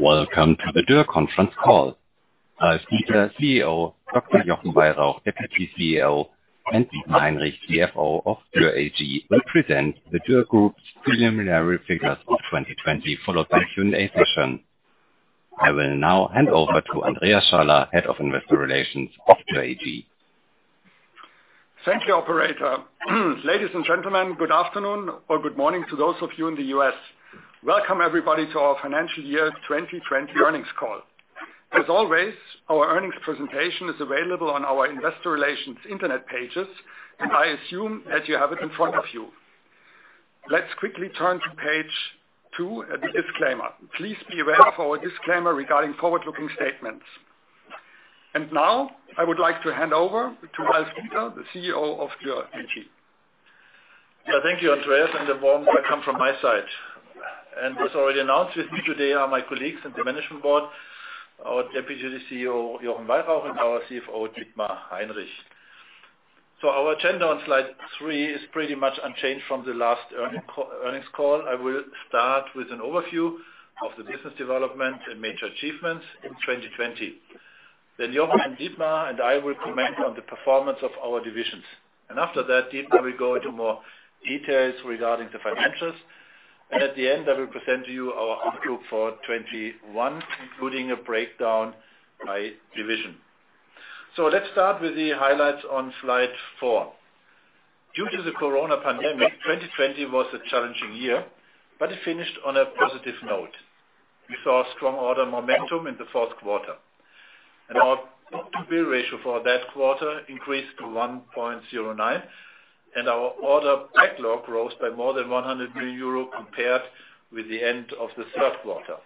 Welcome to the Dürr Conference Call. As CEO Ralf Dieter, Deputy CEO Dr. Jochen Weyrauch, and CFO Dietmar Heinrich of Dürr AG, we present the Dürr Group's preliminary figures for 2020, followed by a Q&A session. I will now hand over to Andreas Schaller, Head of Investor Relations of Dürr AG. Thank you, Operator. Ladies and gentlemen, good afternoon or good morning to those of you in the U.S. Welcome, everybody, to our financial year 2020 earnings call. As always, our earnings presentation is available on our Investor Relations internet pages, and I assume that you have it in front of you. Let's quickly turn to page two and the disclaimer. Please be aware of our disclaimer regarding forward-looking statements, and now, I would like to hand over to Ralf Dieter, the CEO of Dürr AG. Yeah, thank you, Andreas, and a warm welcome from my side. And as already announced, with me today are my colleagues in the management board, our Deputy CEO, Jochen Weyrauch, and our CFO, Dietmar Heinrich. So our agenda on slide three is pretty much unchanged from the last earnings call. I will start with an overview of the business development and major achievements in 2020. Then Jochen and Dietmar and I will comment on the performance of our divisions. And after that, Dietmar will go into more details regarding the financials. And at the end, I will present to you our group for 2021, including a breakdown by division. So let's start with the highlights on slide four. Due to the Corona pandemic, 2020 was a challenging year, but it finished on a positive note. We saw strong order momentum in the fourth quarter. Our book-to-bill ratio for that quarter increased to 1.09, and our order backlog rose by more than 100 million euros compared with the end of the third quarter.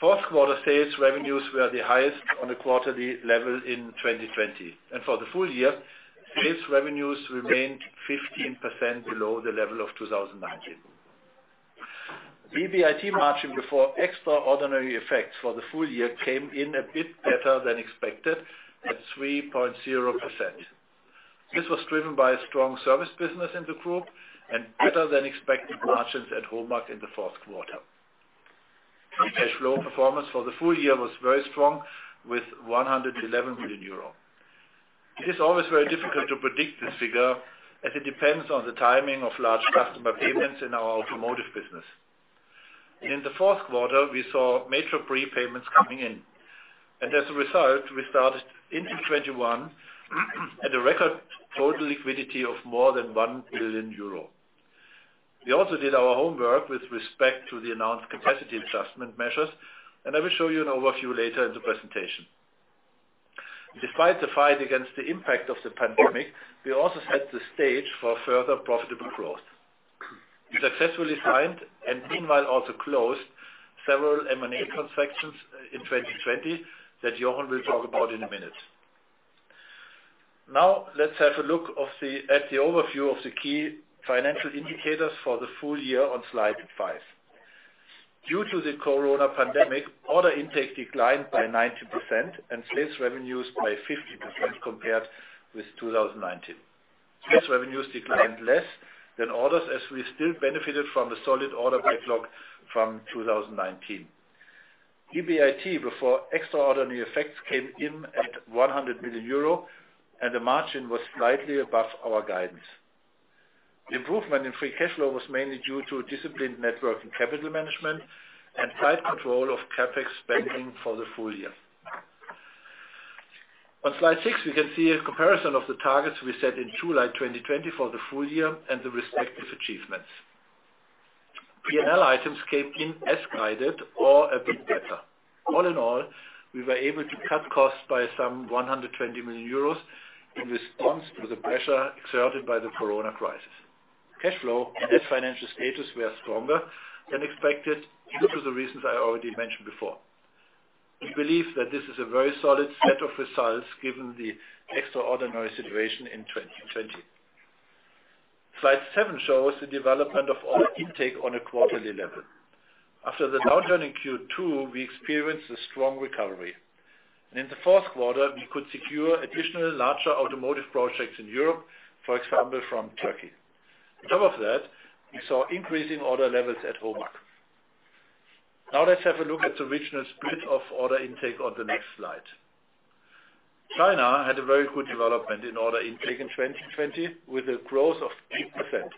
Fourth quarter sales revenues were the highest on a quarterly level in 2020. For the full year, sales revenues remained 15% below the level of 2019. EBIT margin before extraordinary effects for the full year came in a bit better than expected at 3.0%. This was driven by strong Service business in the group and better-than-expected margins at HOMAG in the fourth quarter. Cash flow performance for the full year was very strong with 111 million euro. It is always very difficult to predict this figure as it depends on the timing of large customer payments in our Automotive business. In the fourth quarter, we saw major prepayments coming in. As a result, we started into 2021 at a record total liquidity of more than 1 billion euro. We also did our homework with respect to the announced capacity adjustment measures, and I will show you an overview later in the presentation. Despite the fight against the impact of the pandemic, we also set the stage for further profitable growth. We successfully signed and, meanwhile, also closed several M&A transactions in 2020 that Jochen will talk about in a minute. Now, let's have a look at the overview of the key financial indicators for the full year on slide five. Due to the Corona pandemic, order intake declined by 90% and sales revenues by 50% compared with 2019. Sales revenues declined less than orders as we still benefited from the solid order backlog from 2019. EBIT before extraordinary effects came in at 100 million euro, and the margin was slightly above our guidance. Improvement in free cash flow was mainly due to disciplined net working capital management and tight control of CapEx spending for the full year. On slide six, we can see a comparison of the targets we set in July 2020 for the full year and the respective achievements. P&L items came in as guided or a bit better. All in all, we were able to cut costs by some 120 million euros in response to the pressure exerted by the Corona crisis. Cash flow and net financial status were stronger than expected due to the reasons I already mentioned before. We believe that this is a very solid set of results given the extraordinary situation in 2020. Slide seven shows the development of order intake on a quarterly level. After the downturn in Q2, we experienced a strong recovery, and in the fourth quarter, we could secure additional larger automotive projects in Europe, for example, from Turkey. On top of that, we saw increasing order levels at HOMAG. Now, let's have a look at the regional split of order intake on the next slide. China had a very good development in order intake in 2020 with a growth of 8%.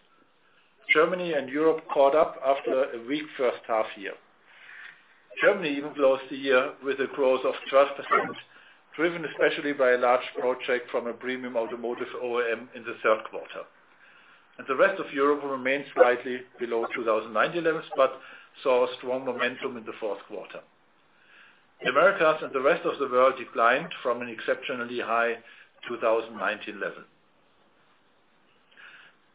Germany and Europe caught up after a weak first half year. Germany even closed the year with a growth of 12%, driven especially by a large project from a premium automotive OEM in the third quarter, and the rest of Europe remained slightly below 2019 levels but saw strong momentum in the fourth quarter. America and the rest of the world declined from an exceptionally high 2019 level.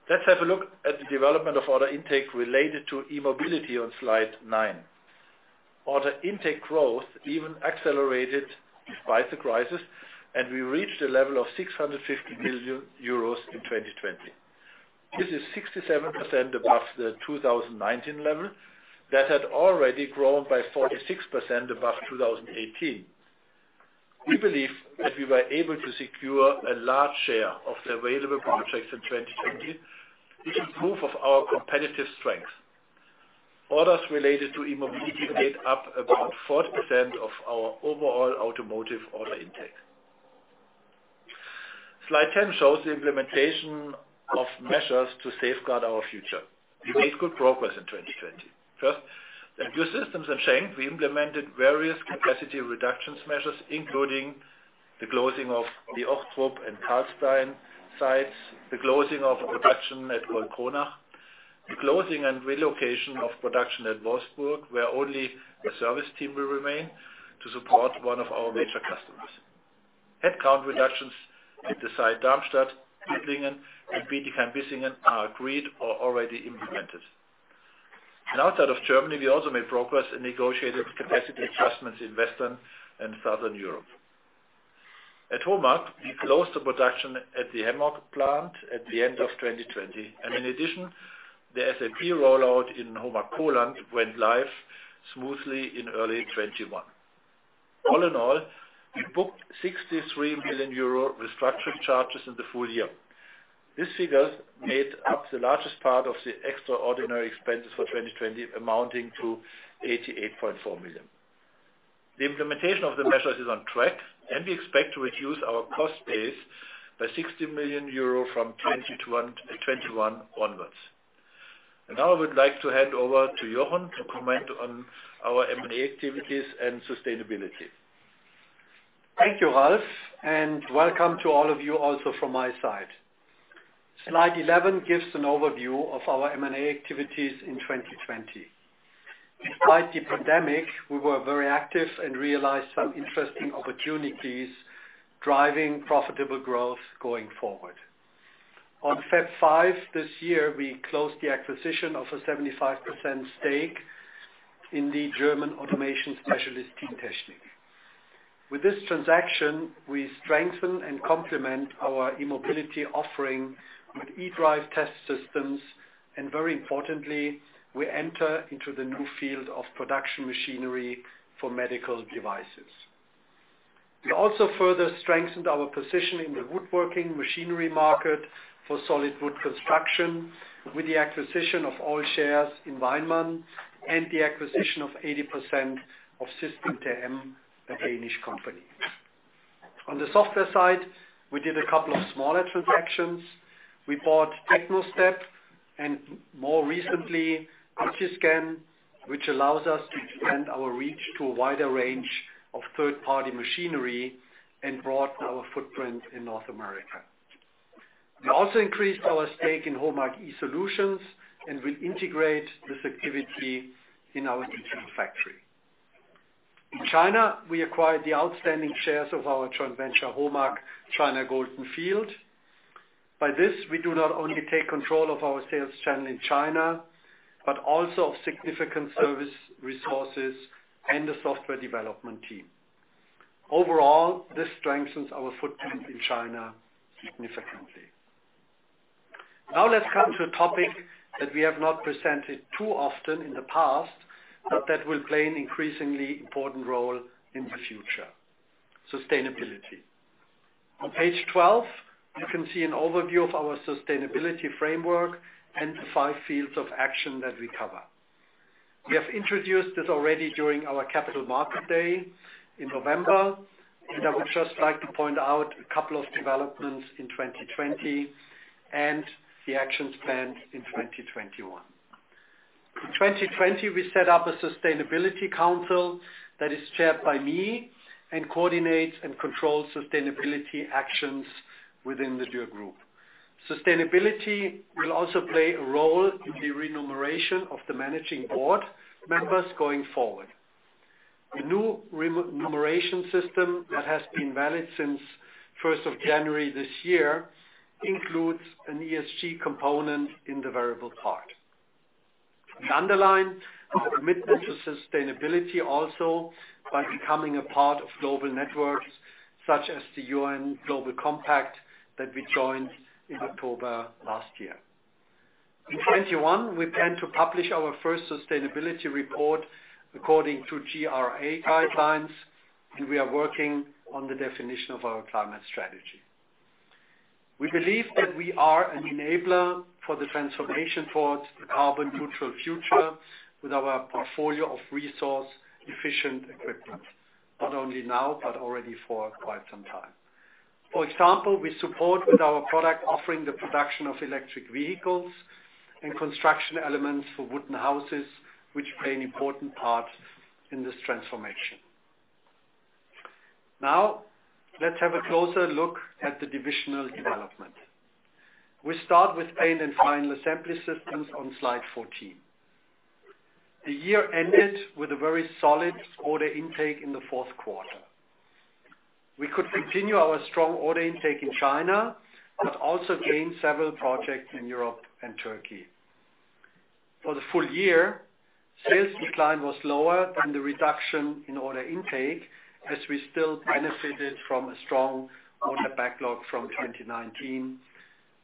Let's have a look at the development of order intake related to e-mobility on slide nine. Order intake growth even accelerated despite the crisis, and we reached a level of 650 million euros in 2020. This is 67% above the 2019 level that had already grown by 46% above 2018. We believe that we were able to secure a large share of the available projects in 2020, which is proof of our competitive strength. Orders related to e-mobility made up about 40% of our overall Automotive order intake. Slide 10 shows the implementation of measures to safeguard our future. We made good progress in 2020. First, at Dürr Systems and Schenck, we implemented various capacity reductions measures, including the closing of the Ochtrup and Karlstein sites, the closing of production at Goldkronach, the closing and relocation of production at Wolfsburg, where only a service team will remain to support one of our major customers. Headcount reductions at the site Darmstadt, Püttlingen, and Bietigheim-Bissingen are agreed or already implemented. Outside of Germany, we also made progress and negotiated capacity adjustments in Western and Southern Europe. At HOMAG, we closed the production at the Hemmoor plant at the end of 2020. In addition, the SAP rollout in HOMAG Poland went live smoothly in early 2021. All in all, we booked 63 million euro restructuring charges in the full year. These figures made up the largest part of the extraordinary expenses for 2020, amounting to 88.4 million. The implementation of the measures is on track, and we expect to reduce our cost base by 60 million euro from 2021 onwards. And now, I would like to hand over to Jochen to comment on our M&A activities and sustainability. Thank you, Ralf, and welcome to all of you also from my side. Slide 11 gives an overview of our M&A activities in 2020. Despite the pandemic, we were very active and realized some interesting opportunities driving profitable growth going forward. On February 5 this year, we closed the acquisition of a 75% stake in the German automation specialist teamtechnik. With this transaction, we strengthen and complement our e-mobility offering with eDrive test systems, and very importantly, we enter into the new field of production machinery for medical devices. We also further strengthened our position in the Woodworking Machinery market for solid wood construction with the acquisition of all shares in WEINMANN and the acquisition of 80% of System TM, a Danish company. On the software side, we did a couple of smaller transactions. We bought Techno-Step and, more recently, Cogiscan, which allows us to expand our reach to a wider range of third-party machinery and broaden our footprint in North America. We also increased our stake in HOMAG eSolution and will integrate this activity in our digital factory. In China, we acquired the outstanding shares of our joint venture, HOMAG China Golden Field. By this, we do not only take control of our sales channel in China but also of significant service resources and the software development team. Overall, this strengthens our footprint in China significantly. Now, let's come to a topic that we have not presented too often in the past but that will play an increasingly important role in the future: sustainability. On page 12, you can see an overview of our sustainability framework and the five fields of action that we cover. We have introduced this already during our Capital Markets Day in November, and I would just like to point out a couple of developments in 2020 and the actions planned in 2021. In 2020, we set up a sustainability council that is chaired by me and coordinates and controls sustainability actions within the Dürr Group. Sustainability will also play a role in the remuneration of the managing board members going forward. The new remuneration system that has been valid since 1st of January this year includes an ESG component in the variable part. We underline our commitment to sustainability also by becoming a part of global networks such as the UN Global Compact that we joined in October last year. In 2021, we plan to publish our first sustainability report according to GRI guidelines, and we are working on the definition of our climate strategy. We believe that we are an enabler for the transformation towards a carbon-neutral future with our portfolio of resource-efficient equipment, not only now but already for quite some time. For example, we support with our product offering the production of electric vehicles and construction elements for wooden houses, which play an important part in this transformation. Now, let's have a closer look at the divisional development. We start with Paint and Final Assembly Systems on slide 14. The year ended with a very solid order intake in the fourth quarter. We could continue our strong order intake in China but also gain several projects in Europe and Turkey. For the full year, sales decline was lower than the reduction in order intake as we still benefited from a strong order backlog from 2019,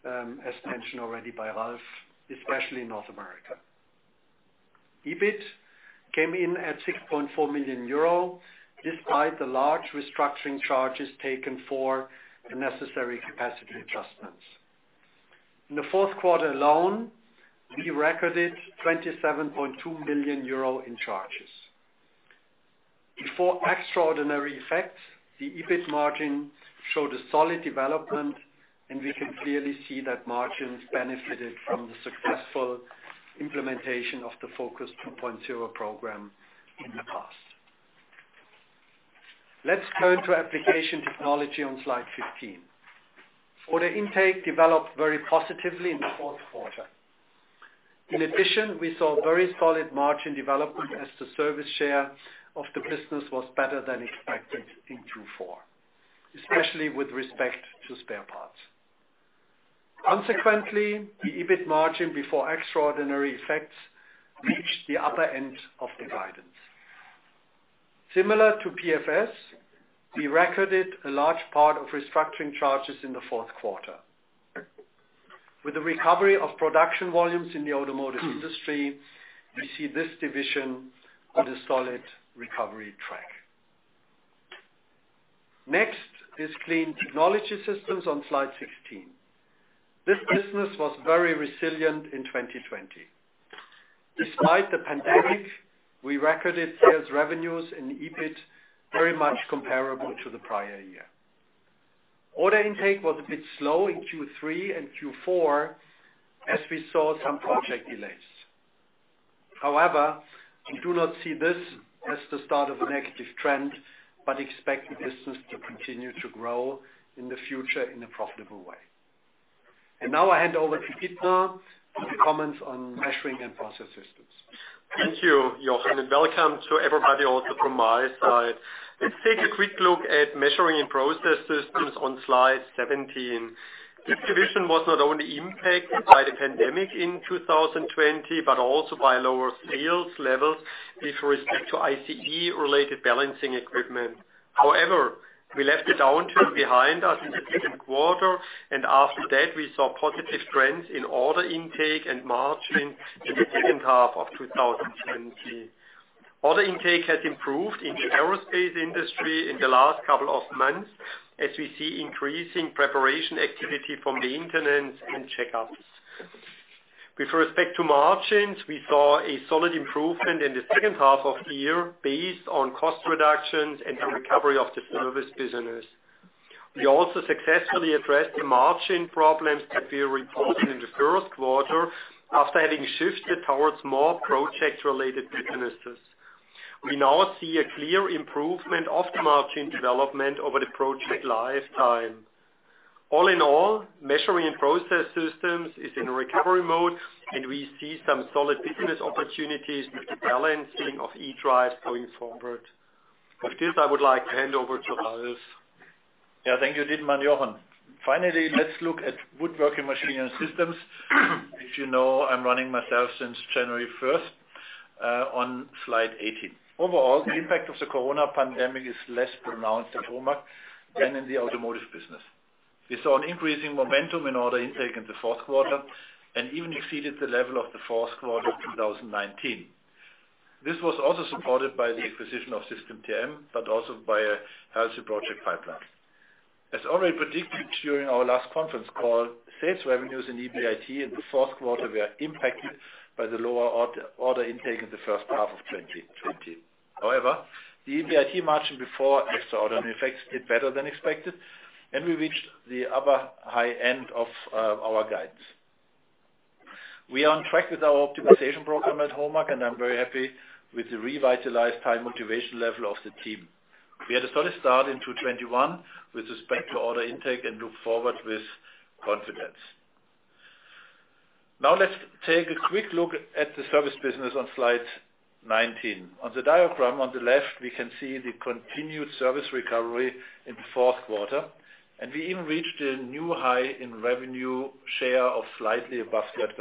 as mentioned already by Ralf, especially in North America. EBIT came in at 6.4 million euro despite the large restructuring charges taken for the necessary capacity adjustments. In the fourth quarter alone, we recorded 27.2 million euro in charges. Before extraordinary effects, the EBIT margin showed a solid development, and we can clearly see that margins benefited from the successful implementation of the FOCUS 2.0 program in the past. Let's turn to Application Technology on slide 15. Order intake developed very positively in the fourth quarter. In addition, we saw very solid margin development as the Service share of the business was better than expected in Q4, especially with respect to spare parts. Consequently, the EBIT margin before extraordinary effects reached the upper end of the guidance. Similar to PFS, we recorded a large part of restructuring charges in the fourth quarter. With the recovery of production volumes in the automotive industry, we see this division on a solid recovery track. Next is Clean Technology Systems on slide 16. This business was very resilient in 2020. Despite the pandemic, we recorded sales revenues and EBIT very much comparable to the prior year. Order intake was a bit slow in Q3 and Q4 as we saw some project delays. However, we do not see this as the start of a negative trend but expect the business to continue to grow in the future in a profitable way. Now, I hand over to Dietmar for the comments on Measuring and Process Systems. Thank you, Jochen, and welcome to everybody also from my side. Let's take a quick look at Measuring and Process Systems on slide 17. This division was not only impacted by the pandemic in 2020 but also by lower sales levels with respect to ICE-related balancing equipment. However, we left the downturn behind us in the second quarter, and after that, we saw positive trends in order intake and margin in the second half of 2020. Order intake has improved in the aerospace industry in the last couple of months as we see increasing preparation activity from maintenance and checkups. With respect to margins, we saw a solid improvement in the second half of the year based on cost reductions and the recovery of the Service business. We also successfully addressed the margin problems that we reported in the first quarter after having shifted towards more project-related businesses. We now see a clear improvement of the margin development over the project lifetime. All in all, Measuring and Process Systems is in a recovery mode, and we see some solid business opportunities with the balancing of eDrive going forward. With this, I would like to hand over to Ralf. Yeah, thank you, Dietmar and Jochen. Finally, let's look at Woodworking Machinery Systems. As you know, I'm running myself since January 1st on slide 18. Overall, the impact of the Corona pandemic is less pronounced at HOMAG than in the Automotive business. We saw an increasing momentum in order intake in the fourth quarter and even exceeded the level of the fourth quarter of 2019. This was also supported by the acquisition of System TM but also by a healthy project pipeline. As already predicted during our last conference call, sales revenues and EBIT in the fourth quarter were impacted by the lower order intake in the first half of 2020. However, the EBIT margin before extraordinary effects did better than expected, and we reached the upper high end of our guidance. We are on track with our optimization program at HOMAG, and I'm very happy with the revitalized high motivation level of the team. We had a solid start in 2021 with respect to order intake and look forward with confidence. Now, let's take a quick look at the Service business on slide 19. On the diagram on the left, we can see the continued Service recovery in the fourth quarter, and we even reached a new high in revenue share of slightly above 30%.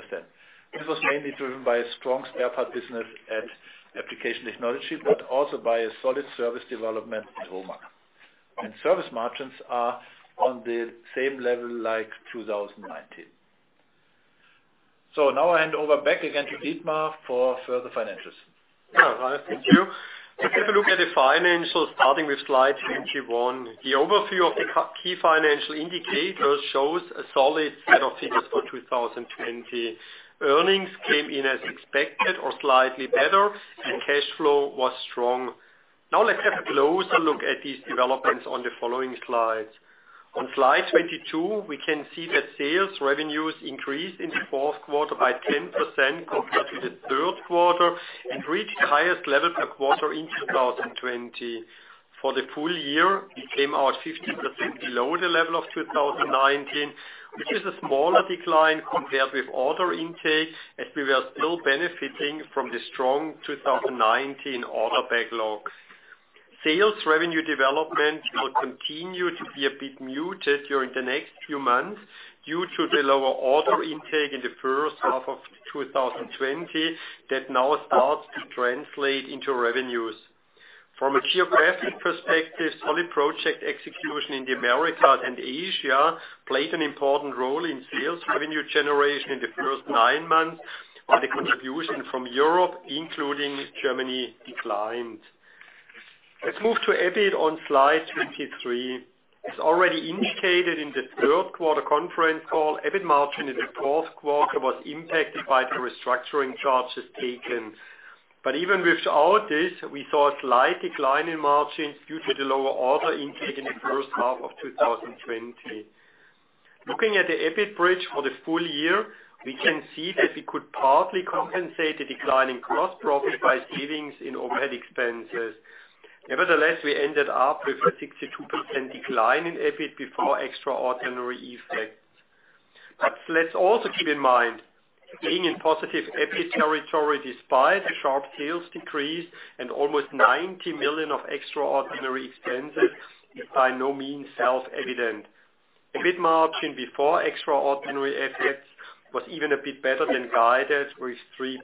This was mainly driven by a strong spare part business at Application Technology but also by a solid Service development at HOMAG. And Service margins are on the same level like 2019. So now, I hand over back again to Dietmar for further financials. Yeah, Ralf, thank you. Let's take a look at the financials starting with slide 21. The overview of the key financial indicators shows a solid set of figures for 2020. Earnings came in as expected or slightly better, and cash flow was strong. Now, let's have a closer look at these developments on the following slides. On slide 22, we can see that sales revenues increased in the fourth quarter by 10% compared to the third quarter and reached the highest level per quarter in 2020. For the full year, we came out 50% below the level of 2019, which is a smaller decline compared with order intake as we were still benefiting from the strong 2019 order backlog. Sales revenue development will continue to be a bit muted during the next few months due to the lower order intake in the first half of 2020 that now starts to translate into revenues. From a geographic perspective, solid project execution in the Americas and Asia played an important role in sales revenue generation in the first nine months, while the contribution from Europe, including Germany, declined. Let's move to EBIT on slide 23. As already indicated in the third quarter conference call, EBIT margin in the fourth quarter was impacted by the restructuring charges taken. But even without this, we saw a slight decline in margins due to the lower order intake in the first half of 2020. Looking at the EBIT bridge for the full year, we can see that we could partly compensate the decline in gross profit by savings in overhead expenses. Nevertheless, we ended up with a 62% decline in EBIT before extraordinary effects. But let's also keep in mind, being in positive EBIT territory despite a sharp sales decrease and almost 90 million of extraordinary expenses is by no means self-evident. EBIT margin before extraordinary effects was even a bit better than guided, with 3%.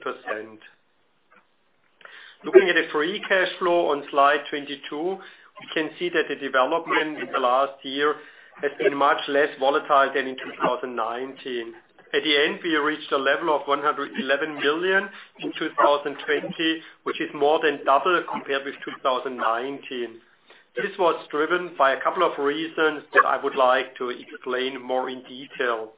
Looking at the free cash flow on slide 22, we can see that the development in the last year has been much less volatile than in 2019. At the end, we reached a level of 111 million in 2020, which is more than double compared with 2019. This was driven by a couple of reasons that I would like to explain more in detail.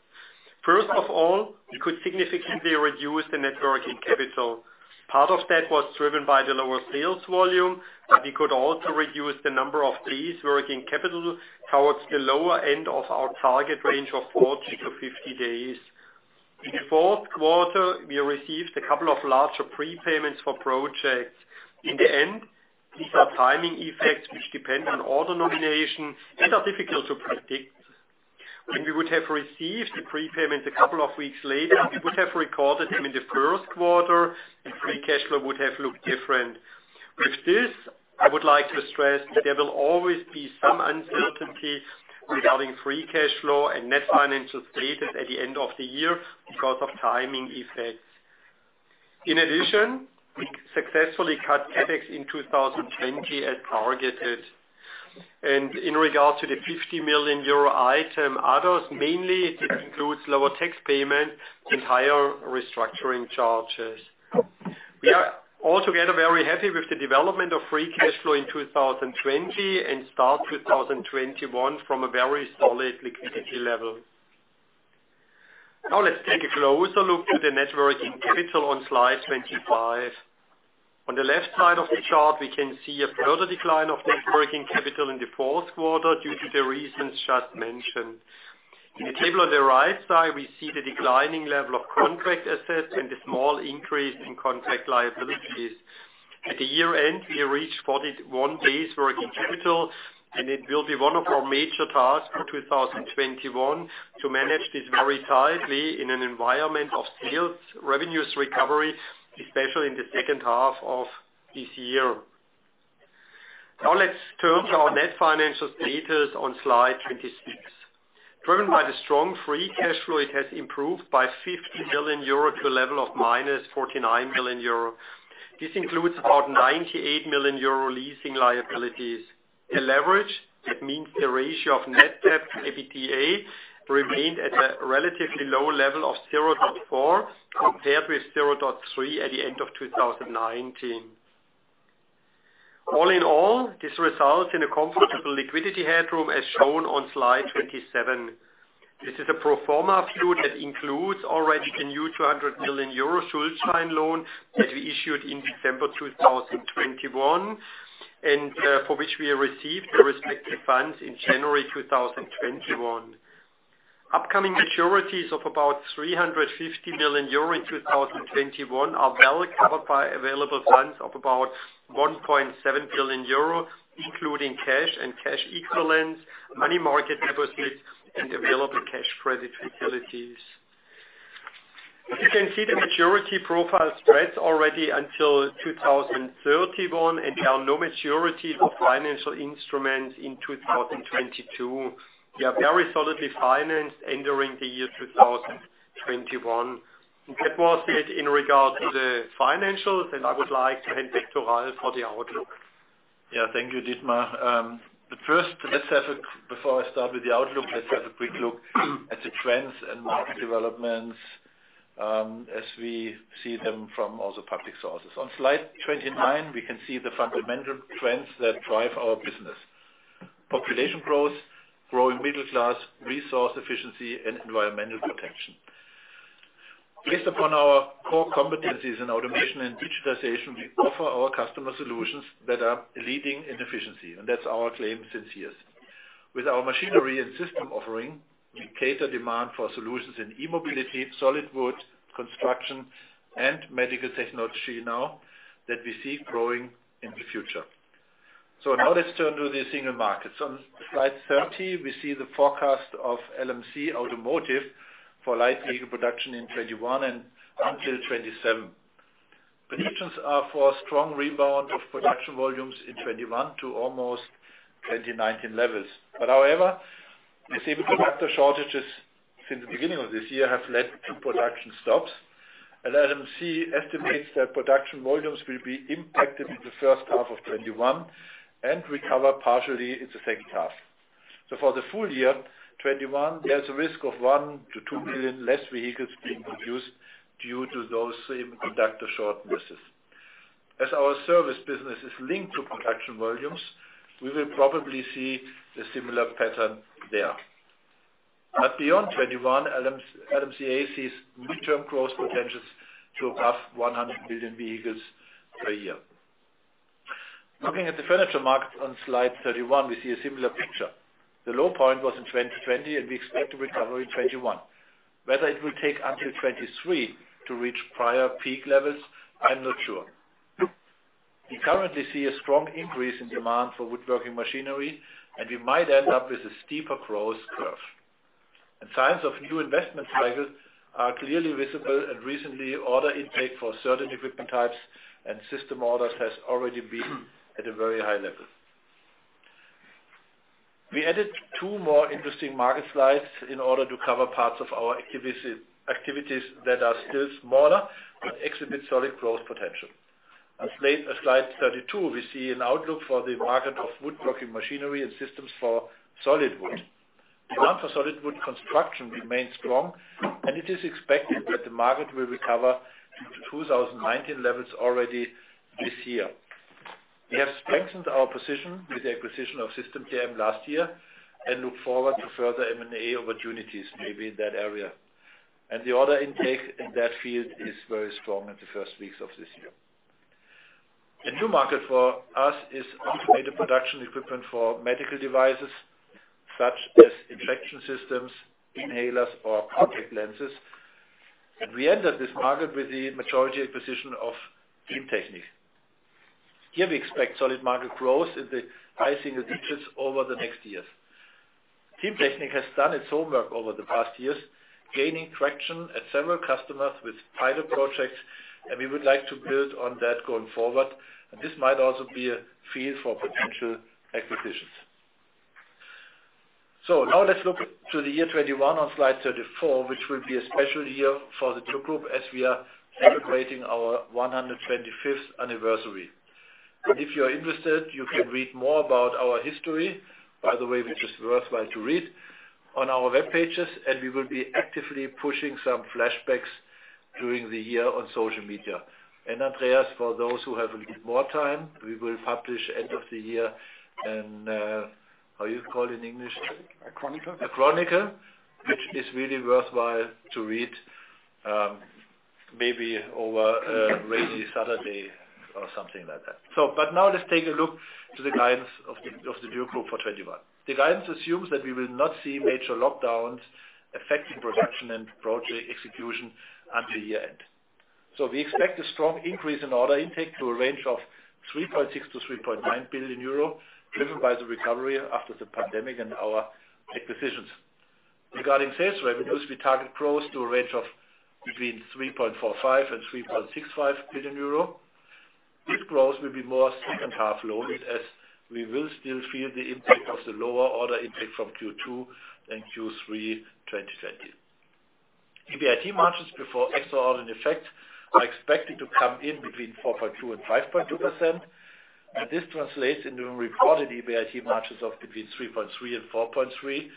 First of all, we could significantly reduce the net working capital. Part of that was driven by the lower sales volume, but we could also reduce the number of days working capital towards the lower end of our target range of 40-50 days. In the fourth quarter, we received a couple of larger prepayments for projects. In the end, these are timing effects which depend on order nomination and are difficult to predict. When we would have received the prepayments a couple of weeks later, we would have recorded them in the first quarter, and free cash flow would have looked different. With this, I would like to stress that there will always be some uncertainty regarding free cash flow and net financial status at the end of the year because of timing effects. In addition, we successfully cut CapEx in 2020 as targeted. In regards to the 50 million euro item Others, mainly this includes lower tax payment and higher restructuring charges. We are altogether very happy with the development of free cash flow in 2020 and start 2021 from a very solid liquidity level. Now, let's take a closer look to the net working capital on slide 25. On the left side of the chart, we can see a further decline of net working capital in the fourth quarter due to the reasons just mentioned. In the table on the right side, we see the declining level of contract assets and the small increase in contract liabilities. At the year end, we reached 41 days working capital, and it will be one of our major tasks for 2021 to manage this very tightly in an environment of sales revenues recovery, especially in the second half of this year. Now, let's turn to our net financial status on slide 26. Driven by the strong free cash flow, it has improved by 50 million euro to a level of -49 million euro. This includes about 98 million euro leasing liabilities. The leverage, that means the ratio of net debt to EBITDA, remained at a relatively low level of 0.4 compared with 0.3 at the end of 2019. All in all, this results in a comfortable liquidity headroom as shown on slide 27. This is a proforma view that includes already the new 200 million euro Schuldschein loan that we issued in December 2021 and for which we received the respective funds in January 2021. Upcoming maturities of about 350 million euro in 2021 are well covered by available funds of about 1.7 billion euro, including cash and cash equivalents, money market deposits, and available cash credit facilities. As you can see, the maturity profile spreads already until 2031, and there are no maturities of financial instruments in 2022. We are very solidly financed entering the year 2021. That was it in regards to the financials, and I would like to hand back to Ralf for the outlook. Yeah, thank you, Dietmar. But first, before I start with the outlook, let's have a quick look at the trends and market developments as we see them from all the public sources. On slide 29, we can see the fundamental trends that drive our business: population growth, growing middle class, resource efficiency, and environmental protection. Based upon our core competencies in automation and digitization, we offer our customer solutions that are leading in efficiency, and that's our claim since years. With our machinery and system offering, we cater demand for solutions in e-mobility, solid wood, construction, and medical technology now that we see growing in the future. So now, let's turn to the single markets. On slide 30, we see the forecast of LMC Automotive for light vehicle production in 2021 and until 2027. Predictions are for a strong rebound of production volumes in 2021 to almost 2019 levels. But however, semiconductor shortages since the beginning of this year have led to production stops. LMC estimates that production volumes will be impacted in the first half of 2021 and recover partially in the second half. So for the full year 2021, there's a risk of 1 to 2 million less vehicles being produced due to those same semiconductor shortages. As our Service business is linked to production volumes, we will probably see a similar pattern there. But beyond 2021, LMCA sees midterm growth potentials to above 100 million vehicles per year. Looking at the furniture market on slide 31, we see a similar picture. The low point was in 2020, and we expect to recover in 2021. Whether it will take until 2023 to reach prior peak levels, I'm not sure. We currently see a strong increase in demand for woodworking machinery, and we might end up with a steeper growth curve, and signs of new investment cycles are clearly visible, and recently, order intake for certain equipment types and system orders has already been at a very high level. We added two more interesting market slides in order to cover parts of our activities that are still smaller, but exhibit solid growth potential. On slide 32, we see an outlook for the market of Woodworking Machinery and Systems for solid wood. Demand for solid wood construction remains strong, and it is expected that the market will recover to 2019 levels already this year. We have strengthened our position with the acquisition of System TM last year and look forward to further M&A opportunities, maybe in that area. The order intake in that field is very strong in the first weeks of this year. A new market for us is automated production equipment for medical devices such as injection systems, inhalers, or contact lenses. We entered this market with the majority acquisition of teamtechnik. Here, we expect solid market growth in the high single digits over the next years. teamtechnik has done its homework over the past years, gaining traction at several customers with pilot projects, and we would like to build on that going forward. This might also be a field for potential acquisitions. Now, let's look to the year 2021 on slide 34, which will be a special year for the Dürr Group as we are celebrating our 125th anniversary. If you're interested, you can read more about our history, by the way, which is worthwhile to read, on our web pages, and we will be actively pushing some flashbacks during the year on social media. Andreas, for those who have a little more time, we will publish end of the year, how do you call it in English? A Chronicle. A Chronicle, which is really worthwhile to read, maybe over a rainy Saturday or something like that. But now, let's take a look to the guidance of the Dürr Group for 2021. The guidance assumes that we will not see major lockdowns affecting production and project execution until year end. So we expect a strong increase in order intake to a range of 3.6 billion-3.9 billion euro, driven by the recovery after the pandemic and our acquisitions. Regarding sales revenues, we target growth to a range of between 3.45 and 3.65 billion euro. This growth will be more second-half loaded as we will still feel the impact of the lower order intake from Q2 and Q3 2020. EBIT margins before extraordinary effect are expected to come in between 4.2% and 5.2%. This translates into reported EBIT margins of between 3.3% and 4.3%,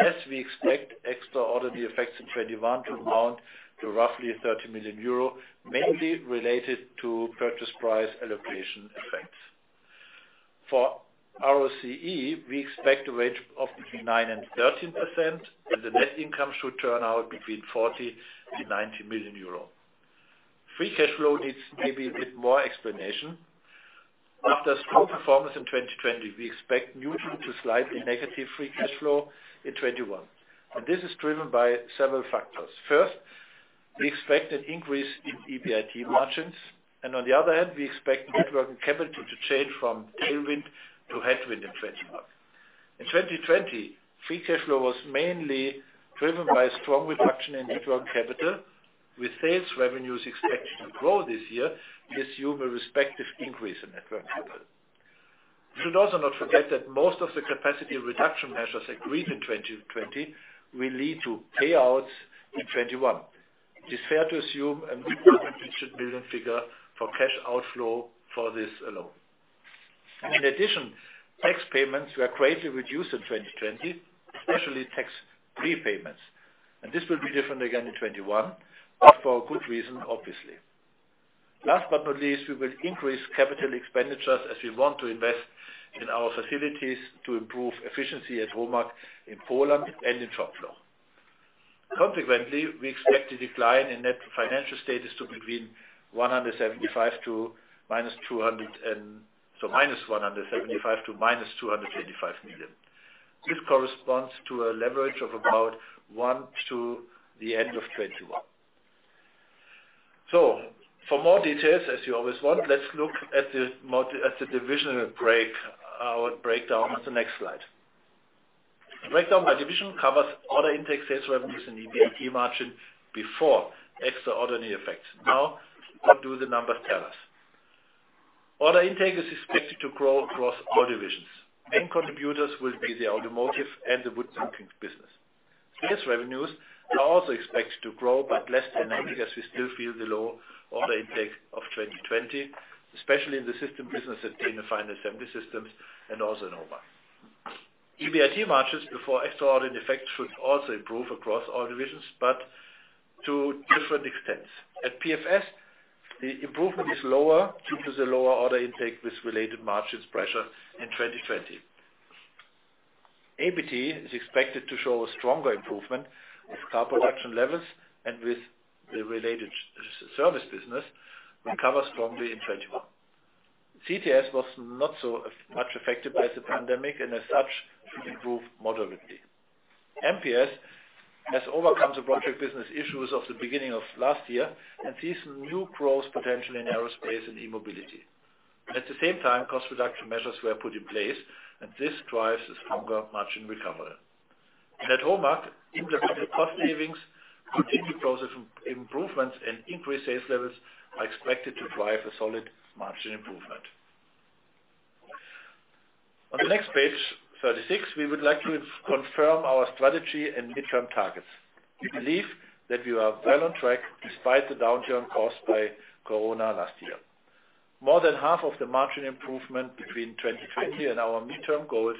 as we expect extraordinary effects in 2021 to amount to roughly 30 million euro, mainly related to purchase price allocation effects. For ROCE, we expect a range of between 9% and 13%, and the net income should turn out between 40 million to 90 million euro. Free cash flow needs maybe a bit more explanation. After strong performance in 2020, we expect neutral to slightly negative free cash flow in 2021. This is driven by several factors. First, we expect an increase in EBIT margins. On the other hand, we expect net working capital to change from tailwind to headwind in 2020. In 2020, free cash flow was mainly driven by strong reduction in net working capital, with sales revenues expected to grow this year, and this will yield a respective increase in net working capital. We should also not forget that most of the capacity reduction measures agreed in 2020 will lead to payouts in 2021. It is fair to assume a mid- to high single-digit million figure for cash outflow for this alone. In addition, tax payments were greatly reduced in 2020, especially tax repayments. And this will be different again in 2021, but for a good reason, obviously. Last but not least, we will increase capital expenditures as we want to invest in our facilities to improve efficiency at HOMAG in Poland and in Schopfloch. Consequently, we expect the decline in net financial status to between -175 million and -225 million. This corresponds to a leverage of about 1x to the end of 2021. For more details, as you always want, let's look at the divisional breakdown on the next slide. The breakdown by division covers order intake, sales revenues, and EBIT margin before extraordinary effects. Now, what do the numbers tell us? Order intake is expected to grow across all divisions. Main contributors will be the Automotive and the Woodworking business. Sales revenues are also expected to grow, but less than anything as we still feel the low order intake of 2020, especially in the system business at the Final Assembly systems and also in HOMAG. EBIT margins before extraordinary effects should also improve across all divisions, but to different extents. At PFS, the improvement is lower due to the lower order intake with related margin pressure in 2020. APT is expected to show a stronger improvement with car production levels and with the related service business, which recover strongly in 2021. CTS was not so much affected by the pandemic, and as such, should improve moderately. MPS has overcome the project business issues of the beginning of last year and sees new growth potential in aerospace and e-mobility. At the same time, cost reduction measures were put in place, and this drives a stronger margin recovery, and at HOMAG, even the cost savings, continued growth improvements, and increased sales levels are expected to drive a solid margin improvement. On the next page, 36, we would like to confirm our strategy and midterm targets. We believe that we are well on track despite the downturn caused by Corona last year. More than half of the margin improvement between 2020 and our midterm goals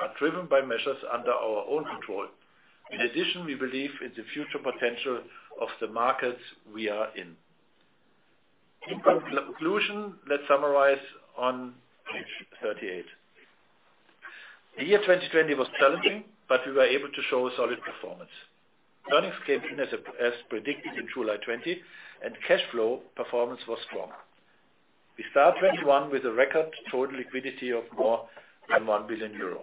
are driven by measures under our own control. In addition, we believe in the future potential of the markets we are in. In conclusion, let's summarize on page 38. The year 2020 was challenging, but we were able to show solid performance. Earnings came in as predicted in July 2020, and cash flow performance was strong. We start 2021 with a record total liquidity of more than 1 billion euro.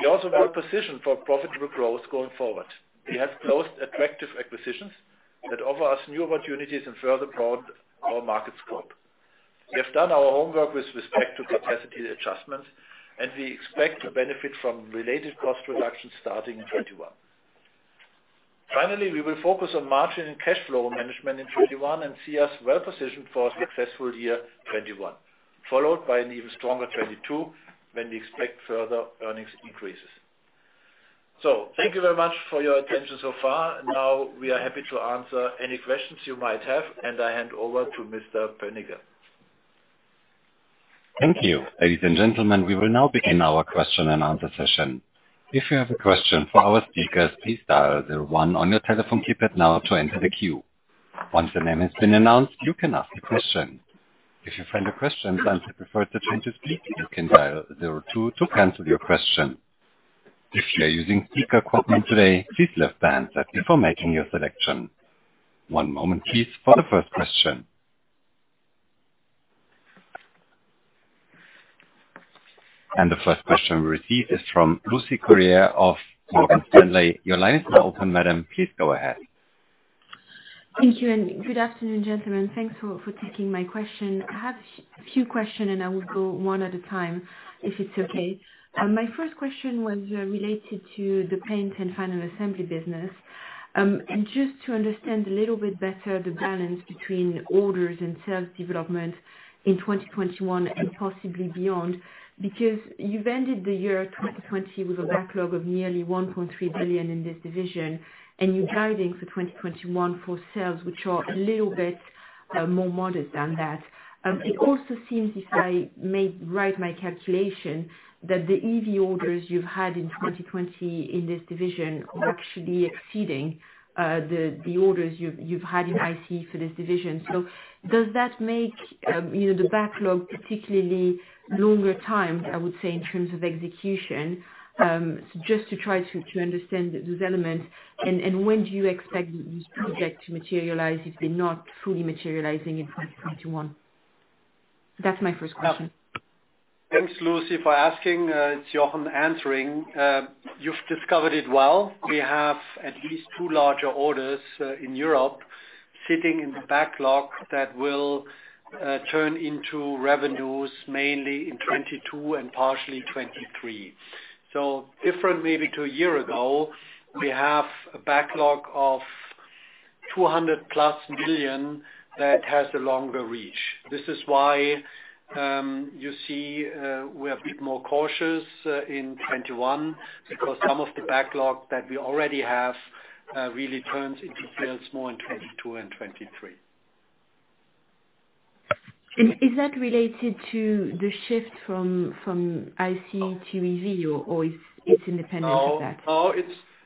We also have a position for profitable growth going forward. We have closed attractive acquisitions that offer us new opportunities and further broaden our market scope. We have done our homework with respect to capacity adjustments, and we expect to benefit from related cost reductions starting in 2021. Finally, we will focus on margin and cash flow management in 2021 and see us well positioned for a successful year 2021, followed by an even stronger 2022 when we expect further earnings increases. So thank you very much for your attention so far. Now, we are happy to answer any questions you might have, and I hand over to Mr. Benigam. Thank you. Ladies and gentlemen, we will now begin our question and answer session. If you have a question for our speakers, please dial zero one on your telephone keypad now to enter the queue. Once the name has been announced, you can ask the question. If you find a question that you prefer to change your speech, you can dial zero two to cancel your question. If you are using speaker equipment today, please lift the handset before making your selection. One moment, please, for the first question. And the first question we received is from Lucie Carrier of Morgan Stanley. Your line is now open, madam. Please go ahead. Thank you and good afternoon, gentlemen. Thanks for taking my question. I have a few questions, and I will go one at a time if it's okay. My first question was related to the Paint and Final Assembly business, and just to understand a little bit better the balance between orders and sales development in 2021 and possibly beyond, because you've ended the year 2020 with a backlog of nearly 1.3 billion in this division, and you're guiding for 2021 for sales, which are a little bit more modest than that. It also seems, if I may write my calculation, that the EV orders you've had in 2020 in this division are actually exceeding the orders you've had in ICE for this division, so does that make the backlog particularly longer timed, I would say, in terms of execution? Just to try to understand those elements. When do you expect these projects to materialize if they're not fully materializing in 2021? That's my first question. Thanks, Lucie, for asking. It's Jochen answering. You've discovered it well. We have at least two larger orders in Europe sitting in the backlog that will turn into revenues mainly in 2022 and partially 2023. So different, maybe, to a year ago, we have a backlog of 200+ million that has a longer reach. This is why you see we are a bit more cautious in 2021 because some of the backlog that we already have really turns into sales more in 2022 and 2023. Is that related to the shift from ICE to EV, or is it independent of that? No,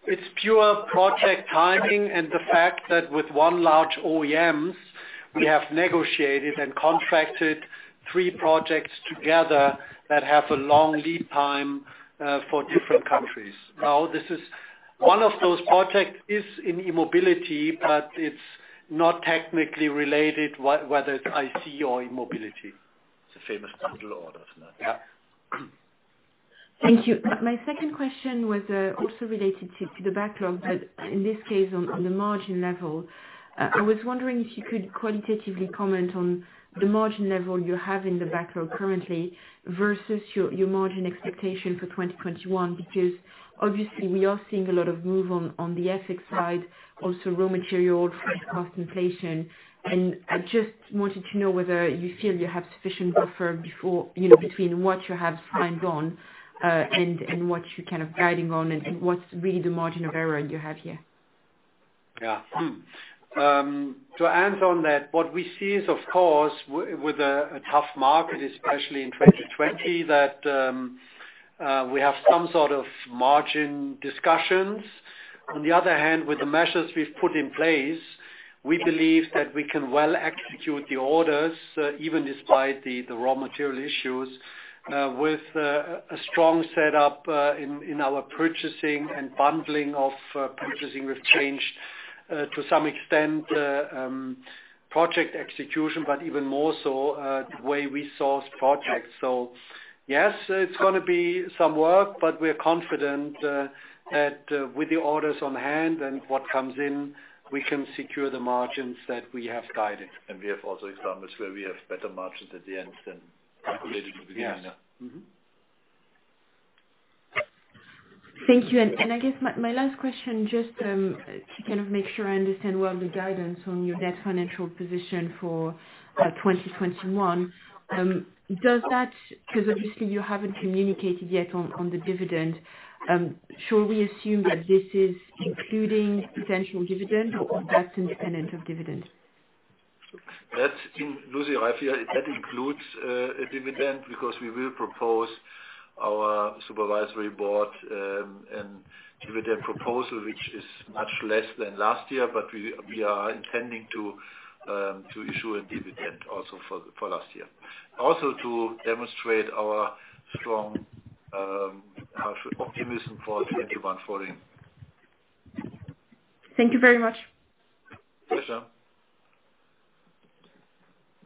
it's pure project timing and the fact that with one large OEMs, we have negotiated and contracted three projects together that have a long lead time for different countries. Now, one of those projects is in e-mobility, but it's not technically related whether it's ICE or e-mobility. It's a famous bundle order, isn't it? Yeah. Thank you. My second question was also related to the backlog, but in this case, on the margin level. I was wondering if you could qualitatively comment on the margin level you have in the backlog currently versus your margin expectation for 2021, because obviously, we are seeing a lot of move on the FX side, also raw material cost inflation. And I just wanted to know whether you feel you have sufficient buffer between what you have signed on and what you're kind of guiding on, and what's really the margin of error you have here. Yeah. To answer on that, what we see is, of course, with a tough market, especially in 2020, that we have some sort of margin discussions. On the other hand, with the measures we've put in place, we believe that we can well execute the orders, even despite the raw material issues, with a strong setup in our purchasing and bundling of purchasing. We've changed to some extent project execution, but even more so the way we source projects. So yes, it's going to be some work, but we're confident that with the orders on hand and what comes in, we can secure the margins that we have guided. We have also examples where we have better margins at the end than calculated in the beginning. Yeah. Thank you. And I guess my last question, just to kind of make sure I understand well the guidance on your net financial position for 2021. Because obviously, you haven't communicated yet on the dividend. Shall we assume that this is including potential dividend, or that's independent of dividend? That includes, Lucie, that includes a dividend because we will propose our supervisory board and dividend proposal, which is much less than last year, but we are intending to issue a dividend also for last year. Also to demonstrate our strong optimism for 2021 following. Thank you very much.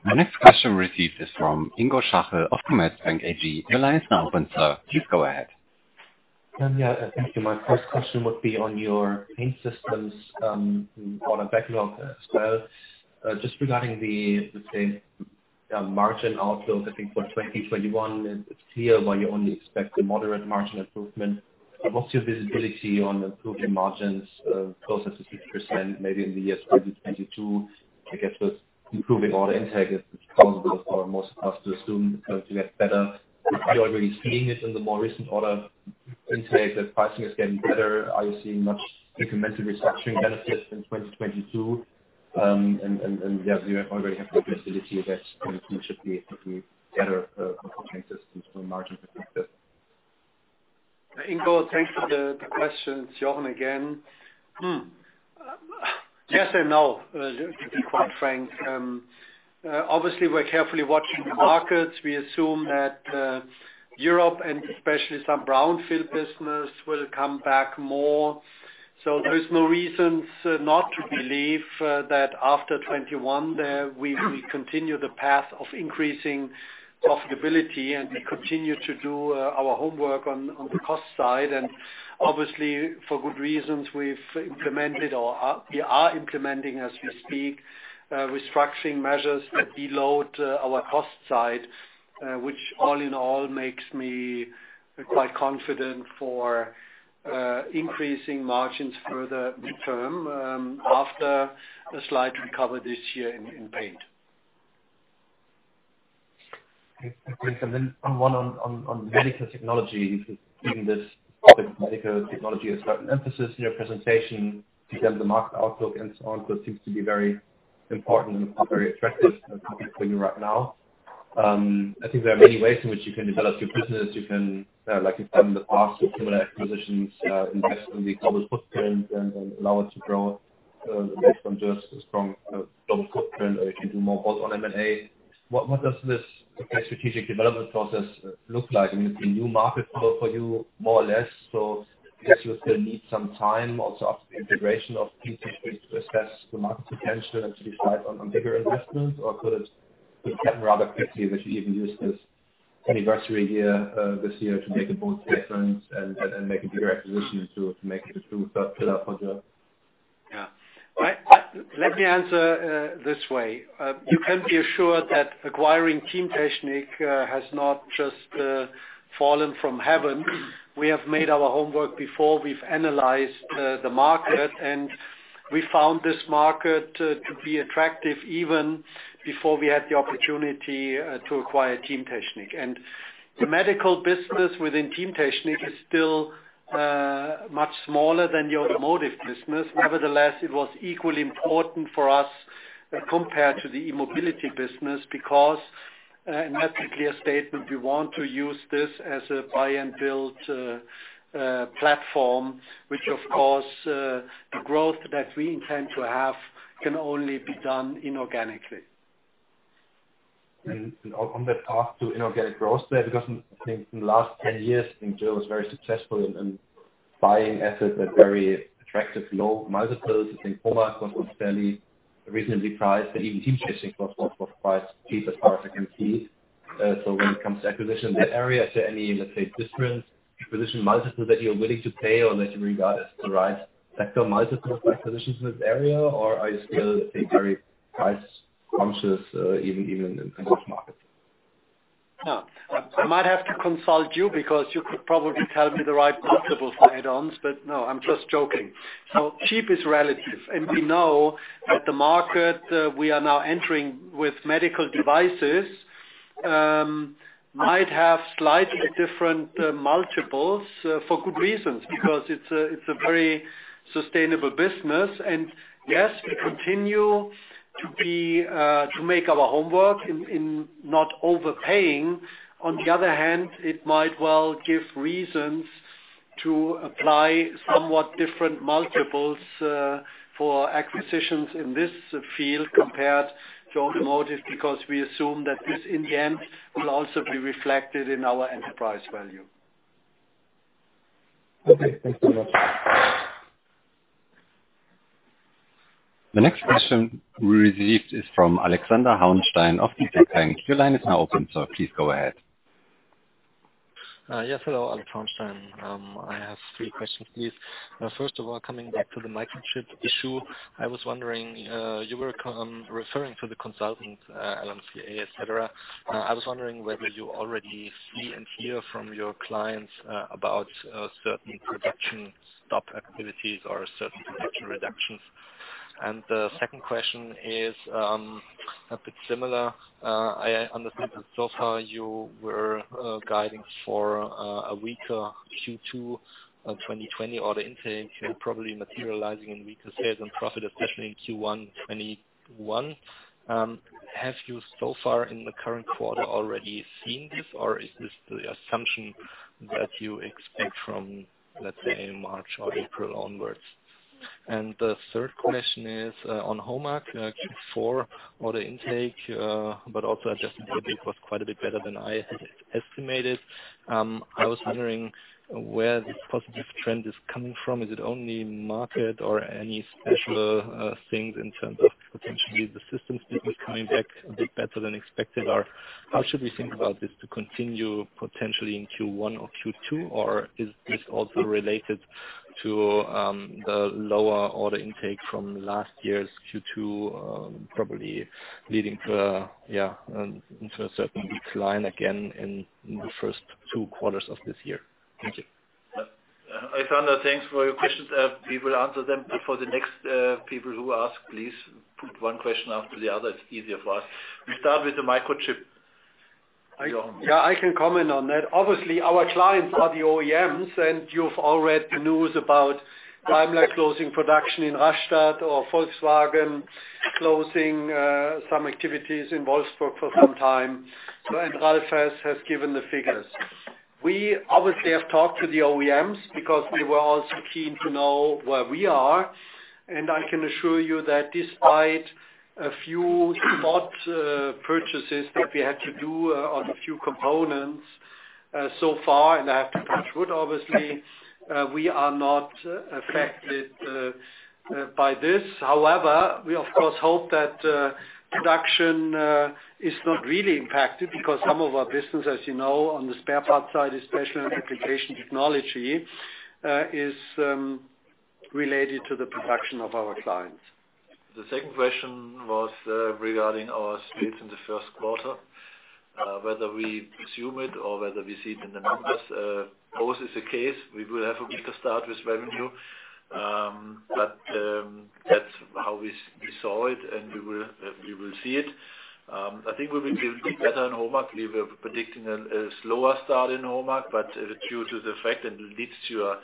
Pleasure. My next question received is from Ingo Schachel, of Commerzbank AG. The line is now open, sir. Please go ahead. Thank you. My first question would be on your paint systems on a backlog as well. Just regarding the margin outlook, I think for 2021, it's clear why you only expect a moderate margin improvement. What's your visibility on improving margins closer to 50%, maybe in the year 2022? I guess with improving order intake, it's plausible for most of us to assume it's going to get better. You're already seeing it in the more recent order intake. The pricing is getting better. Are you seeing much incremental restructuring benefits in 2022? And yeah, we already have the visibility that there should be better paint systems for margin perspective. Ingo, thanks for the questions. Jochen again. Yes and no, to be quite frank. Obviously, we're carefully watching the markets. We assume that Europe and especially some brownfield business will come back more. So there's no reasons not to believe that after 2021, we will continue the path of increasing profitability and continue to do our homework on the cost side. And obviously, for good reasons, we've implemented or we are implementing as we speak restructuring measures that reload our cost side, which all in all makes me quite confident for increasing margins further midterm after a slight recovery this year in Paint. Thanks. And then one on medical technology. This topic, medical technology, has got an emphasis in your presentation to get the market outlook and so on. So it seems to be very important and very attractive for you right now. I think there are many ways in which you can develop your business. You can, like you've done in the past with similar acquisitions, invest in the global footprint and allow it to grow based on just a strong global footprint, or you can do more both on M&A. What does this strategic development process look like? I mean, it's a new market for you, more or less. So I guess you still need some time also after the integration of pieces to assess the market potential and to decide on bigger investments, or could it happen rather quickly that you even use this anniversary year this year to make a bold statement and make a bigger acquisition to make it a true third pillar for you? Yeah. Let me answer this way. You can be assured that acquiring teamtechnik has not just fallen from heaven. We have made our homework before. We've analyzed the market, and we found this market to be attractive even before we had the opportunity to acquire teamtechnik, and the medical business within teamtechnik is still much smaller than the Automotive business. Nevertheless, it was equally important for us compared to the e-mobility business because that's a clear statement. We want to use this as a buy-and-build platform, which, of course, the growth that we intend to have can only be done inorganically. And on that path to inorganic growth, because in the last 10 years, I think Jo was very successful in buying assets at very attractive low multiples. I think HOMAG was not fairly reasonably priced. And even teamtechnik was quite cheap as far as I can see. So when it comes to acquisition in that area, is there any, let's say, different acquisition multiple that you're willing to pay or that you regard as the right factor multiple for acquisitions in this area, or are you still very price-conscious even in those markets? No. I might have to consult you because you could probably tell me the right multiple for add-ons, but no, I'm just joking. So cheap is relative. And we know that the market we are now entering with medical devices might have slightly different multiples for good reasons because it's a very sustainable business. And yes, we continue to make our homework in not overpaying. On the other hand, it might well give reasons to apply somewhat different multiples for acquisitions in this field compared to Automotive because we assume that this, in the end, will also be reflected in our enterprise value. Okay. Thanks very much. The next question we received is from Alexander Hauenstein of DZ Bank. Your line is now open, so please go ahead. Yes. Hello, Alexander Hauenstein. I have three questions, please. First of all, coming back to the microchip issue, I was wondering, you were referring to the consultant LMCA, etc. I was wondering whether you already see and hear from your clients about certain production stop activities or certain production reductions. And the second question is a bit similar. I understand that so far you were guiding for a weaker Q2 2020 order intake, probably materializing in weaker sales and profit, especially in Q1 2021. Have you so far in the current quarter already seen this, or is this the assumption that you expect from, let's say, March or April onwards? And the third question is on HOMAG, Q4 order intake, but also adjusted to be quite a bit better than I had estimated. I was wondering where this positive trend is coming from. Is it only market or any special things in terms of potentially the systems business coming back a bit better than expected? Or how should we think about this to continue potentially in Q1 or Q2, or is this also related to the lower order intake from last year's Q2, probably leading to, yeah, into a certain decline again in the first two quarters of this year? Thank you. Alexander, thanks for your questions. We will answer them, but for the next people who ask, please put one question after the other. It's easier for us. We start with the microchip. Yeah, I can comment on that. Obviously, our clients are the OEMs, and you've already news about Daimler closing production in Rastatt or Volkswagen closing some activities in Wolfsburg for some time. So and Ralf has given the figures. We obviously have talked to the OEMs because they were also keen to know where we are. And I can assure you that despite a few spot purchases that we had to do on a few components so far, and I have to touch wood, obviously, we are not affected by this. However, we, of course, hope that production is not really impacted because some of our business, as you know, on the spare part side, especially on application technology, is related to the production of our clients. The second question was regarding our splits in the first quarter, whether we assume it or whether we see it in the numbers. Both is the case. We will have a weaker start with revenue, but that's how we saw it, and we will see it. I think we will be a bit better in HOMAG. We were predicting a slower start in HOMAG, but due to the fact that it leads to a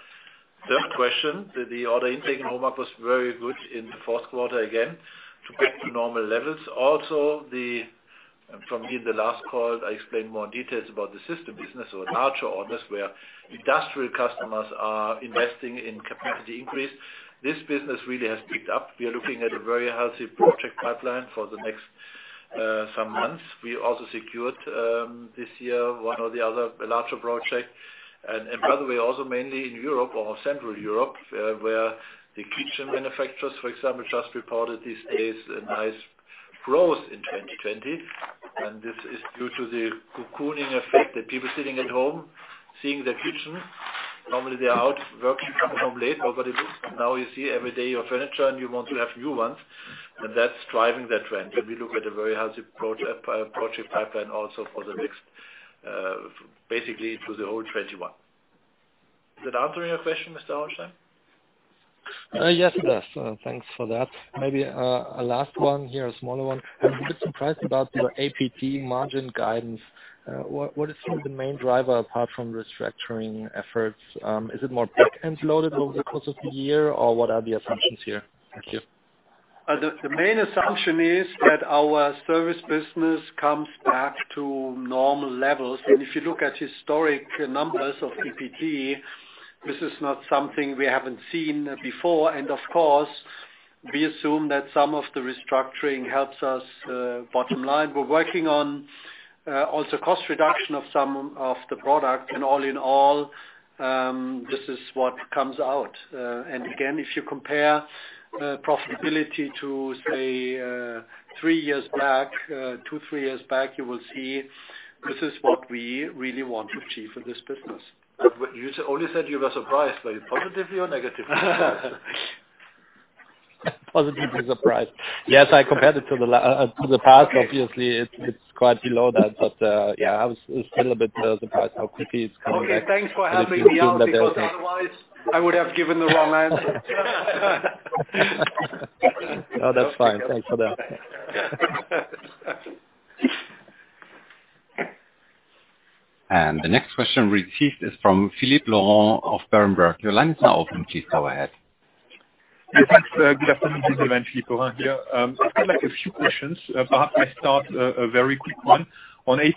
third question, the order intake in HOMAG was very good in the fourth quarter again to get to normal levels. Also, from me in the last call, I explained more details about the System business or larger orders where industrial customers are investing in capacity increase. This business really has picked up. We are looking at a very healthy project pipeline for the next some months. We also secured this year one or the other larger project. And by the way, also mainly in Europe or Central Europe, where the kitchen manufacturers, for example, just reported these days a nice growth in 2020. And this is due to the cocooning effect that people sitting at home seeing their kitchen. Normally, they're out working from home late, but now you see every day your furniture, and you want to have new ones. And that's driving that trend. And we look at a very healthy project pipeline also for the next, basically through the whole 2021. Is that answering your question, Mr. Hauenstein? Yes, it does. Thanks for that. Maybe a last one here, a smaller one. I'm a bit surprised about your APT margin guidance. What is the main driver apart from restructuring efforts? Is it more back-end loaded over the course of the year, or what are the assumptions here? Thank you. The main assumption is that our service business comes back to normal levels. And if you look at historic numbers of APT, this is not something we haven't seen before. And of course, we assume that some of the restructuring helps us bottom line. We're working on also cost reduction of some of the products. And all in all, this is what comes out. And again, if you compare profitability to, say, three years back, two, three years back, you will see this is what we really want to achieve for this business. You only said you were surprised. Were you positive or negative? Positive and surprised. Yes, I compared it to the past. Obviously, it's quite below that. But yeah, I was still a bit surprised how quickly it's coming back. Thanks for helping me out. If it wasn't that difficult, otherwise, I would have given the wrong answer. Oh, that's fine. Thanks for that. The next question received is from Philippe Lorrain of Berenberg. Your line is now open. Please go ahead. Thanks. Good afternoon, everyone. Philippe Lorrain here. I've got a few questions. Perhaps I start a very quick one. On APT,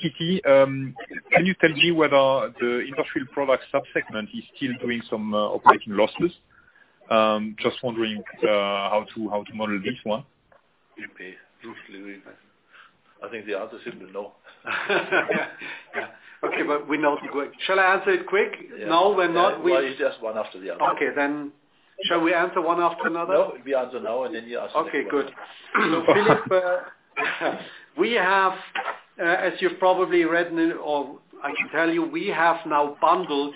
can you tell me whether the industrial product subsegment is still doing some operating losses? Just wondering how to model this one. I think the answer should be no. Okay, but we know the question. Shall I answer it quick? No, we're not. No, it's just one after the other. Okay. Then shall we answer one after another? No, we answer now, and then you ask the question. Okay, good. Philippe, we have, as you've probably read or I can tell you, we have now bundled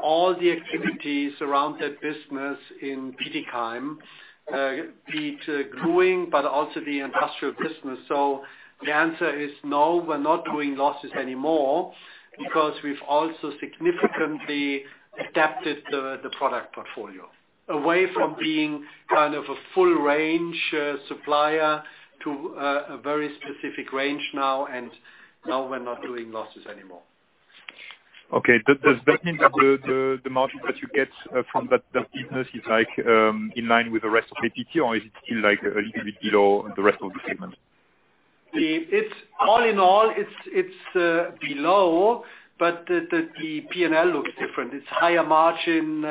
all the activities around that business in Bietigheim, be it gluing, but also the industrial business. The answer is no, we're not doing losses anymore because we've also significantly adapted the product portfolio away from being kind of a full range supplier to a very specific range now, and now we're not doing losses anymore. Okay. Does that mean that the margin that you get from that business is in line with the rest of APT, or is it still a little bit below the rest of the segment? All in all, it's below, but the P&L looks different. It's higher margin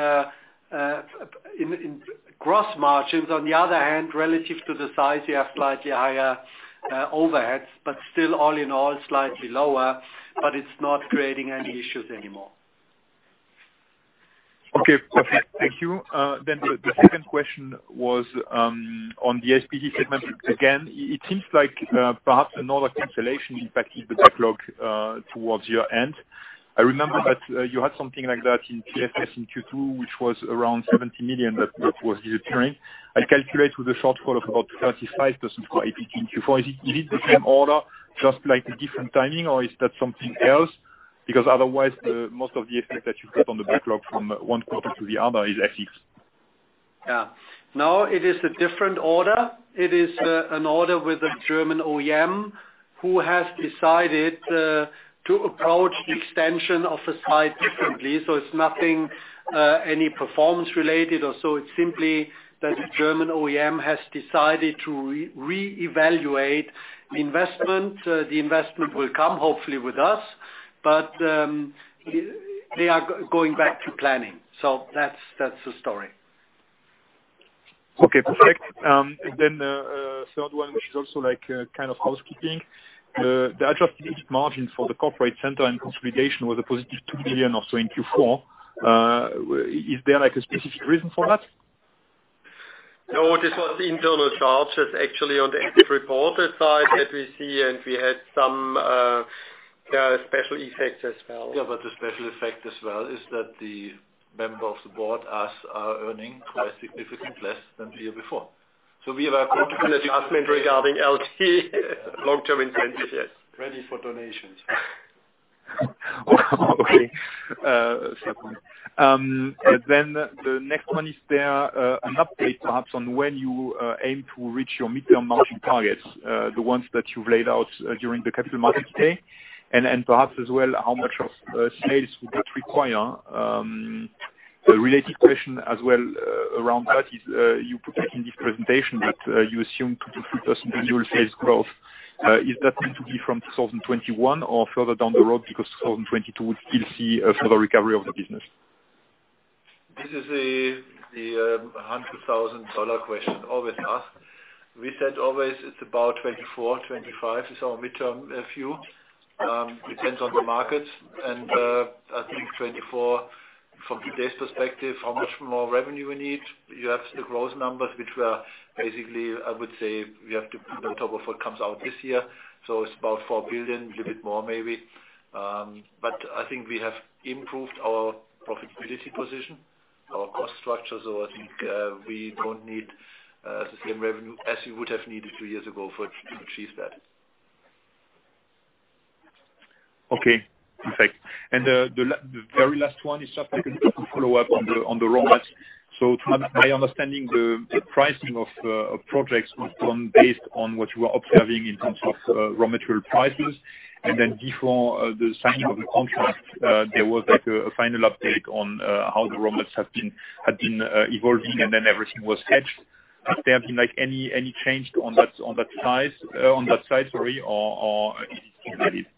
in gross margins. On the other hand, relative to the size, you have slightly higher overheads, but still, all in all, slightly lower, but it's not creating any issues anymore. Okay. Perfect. Thank you. Then the second question was on the PFS segment. Again, it seems like perhaps another cancellation impacted the backlog towards year end. I remember that you had something like that in PFS in Q2, which was around 70 million that was disappearing. I calculate with a shortfall of about 35% for APT in Q4. Is it the same order, just a different timing, or is that something else? Because otherwise, most of the effect that you've got on the backlog from one quarter to the other is FX. Yeah. No, it is a different order. It is an order with a German OEM who has decided to approach the extension of a site differently. So it's nothing any performance related, or so it's simply that the German OEM has decided to reevaluate investment. The investment will come, hopefully, with us, but they are going back to planning. So that's the story. Okay. Perfect. Then the third one, which is also kind of housekeeping, the adjusted EBIT margin for the Corporate Center and consolidation was a positive 2 million or so in Q4. Is there a specific reason for that? No, this was internal charges, actually, on the expenditure side that we see, and we had some special effects as well. Yeah, but the special effect as well is that the member of the board, us, are earning quite significantly less than the year before. We have a quarterly adjustment regarding LT, long-term incentive, yes. Ready for questions. Okay. Then the next one is there an update perhaps on when you aim to reach your mid-term margin targets, the ones that you've laid out during the Capital Markets Day? And perhaps as well, how much of sales would that require? The related question as well around that is you put it in this presentation that you assume 2%-3% annual sales growth. Is that meant to be from 2021 or further down the road because 2022 would still see a further recovery of the business? This is the $100,000 question always asked. We said always it's about 24, 25 is our mid-term view. It depends on the markets. I think 24, from today's perspective, how much more revenue we need. You have the growth numbers, which were basically, I would say, we have to put on top of what comes out this year. So it's about 4 billion, a little bit more maybe. But I think we have improved our profitability position, our cost structure. I think we don't need the same revenue as we would have needed two years ago for to achieve that. Okay. Perfect. And the very last one is just a quick follow-up on the raw mats. So to my understanding, the pricing of projects was done based on what you were observing in terms of raw material prices. And then before the signing of the contract, there was a final update on how the raw mats had been evolving, and then everything was hedged. Has there been any change on that side, sorry, or is it still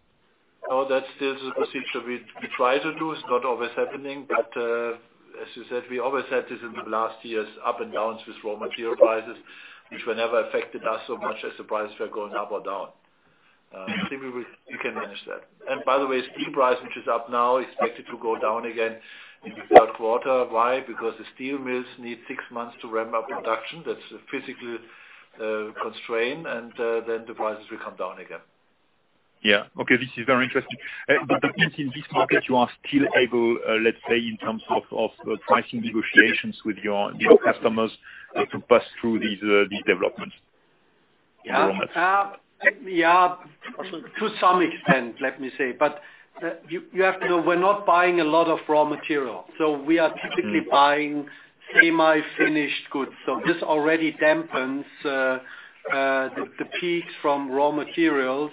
the same? Oh, that's still the procedure we try to do. It's not always happening, but as you said, we always had this in the last years, ups and downs with raw material prices, which were never affected as much as the prices were going up or down. I think we can manage that. And by the way, steel price, which is up now, expected to go down again in the third quarter. Why? Because the steel mills need six months to ramp up production. That's a physical constraint, and then the prices will come down again. Yeah. Okay. This is very interesting. Does that mean in this market you are still able, let's say, in terms of pricing negotiations with your customers to pass through these developments? Yeah. To some extent, let me say. But you have to know we're not buying a lot of raw material. So we are typically buying semi-finished goods. So this already dampens the peaks from raw materials.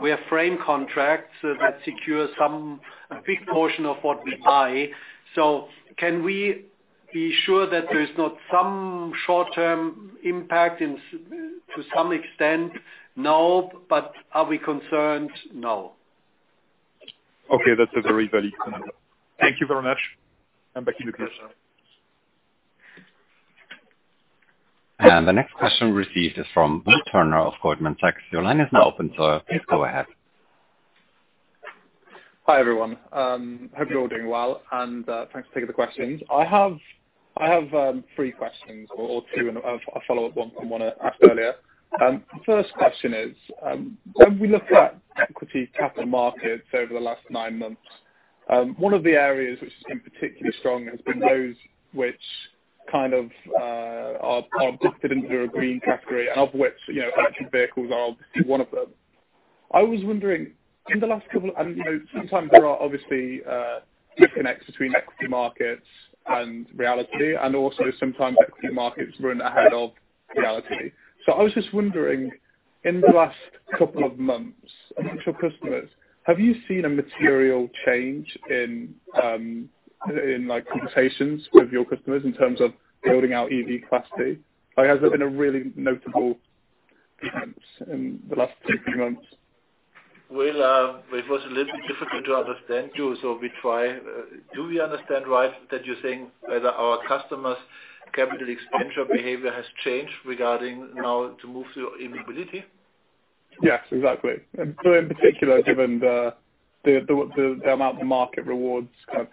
We have frame contracts that secure a big portion of what we buy. So can we be sure that there's not some short-term impact to some extent? No, but are we concerned? No. Okay. That's a very valid point. Thank you very much. I'm back in the group. The next question received is from Will Turner of Goldman Sachs. Your line is now open, so please go ahead. Hi everyone. Hope you're all doing well, and thanks for taking the questions. I have three questions or two, a follow-up one from one earlier. The first question is, when we look at equity capital markets over the last nine months, one of the areas which is in particularly strong has been those which kind of are busted into a green category, and of which electric vehicles are obviously one of them. I was wondering, and sometimes there are obviously disconnects between equity markets and reality, and also sometimes equity markets run ahead of reality. So I was just wondering, in the last couple of months, for customers, have you seen a material change in conversations with your customers in terms of building out EV capacity? Has there been a really notable difference in the last two or three months? It was a little bit difficult to understand too, so we try. Do we understand right that you're saying either our customers' capital expenditure behavior has changed regarding now to move to e-mobility? Yes, exactly, and in particular, given the amount of market rewards of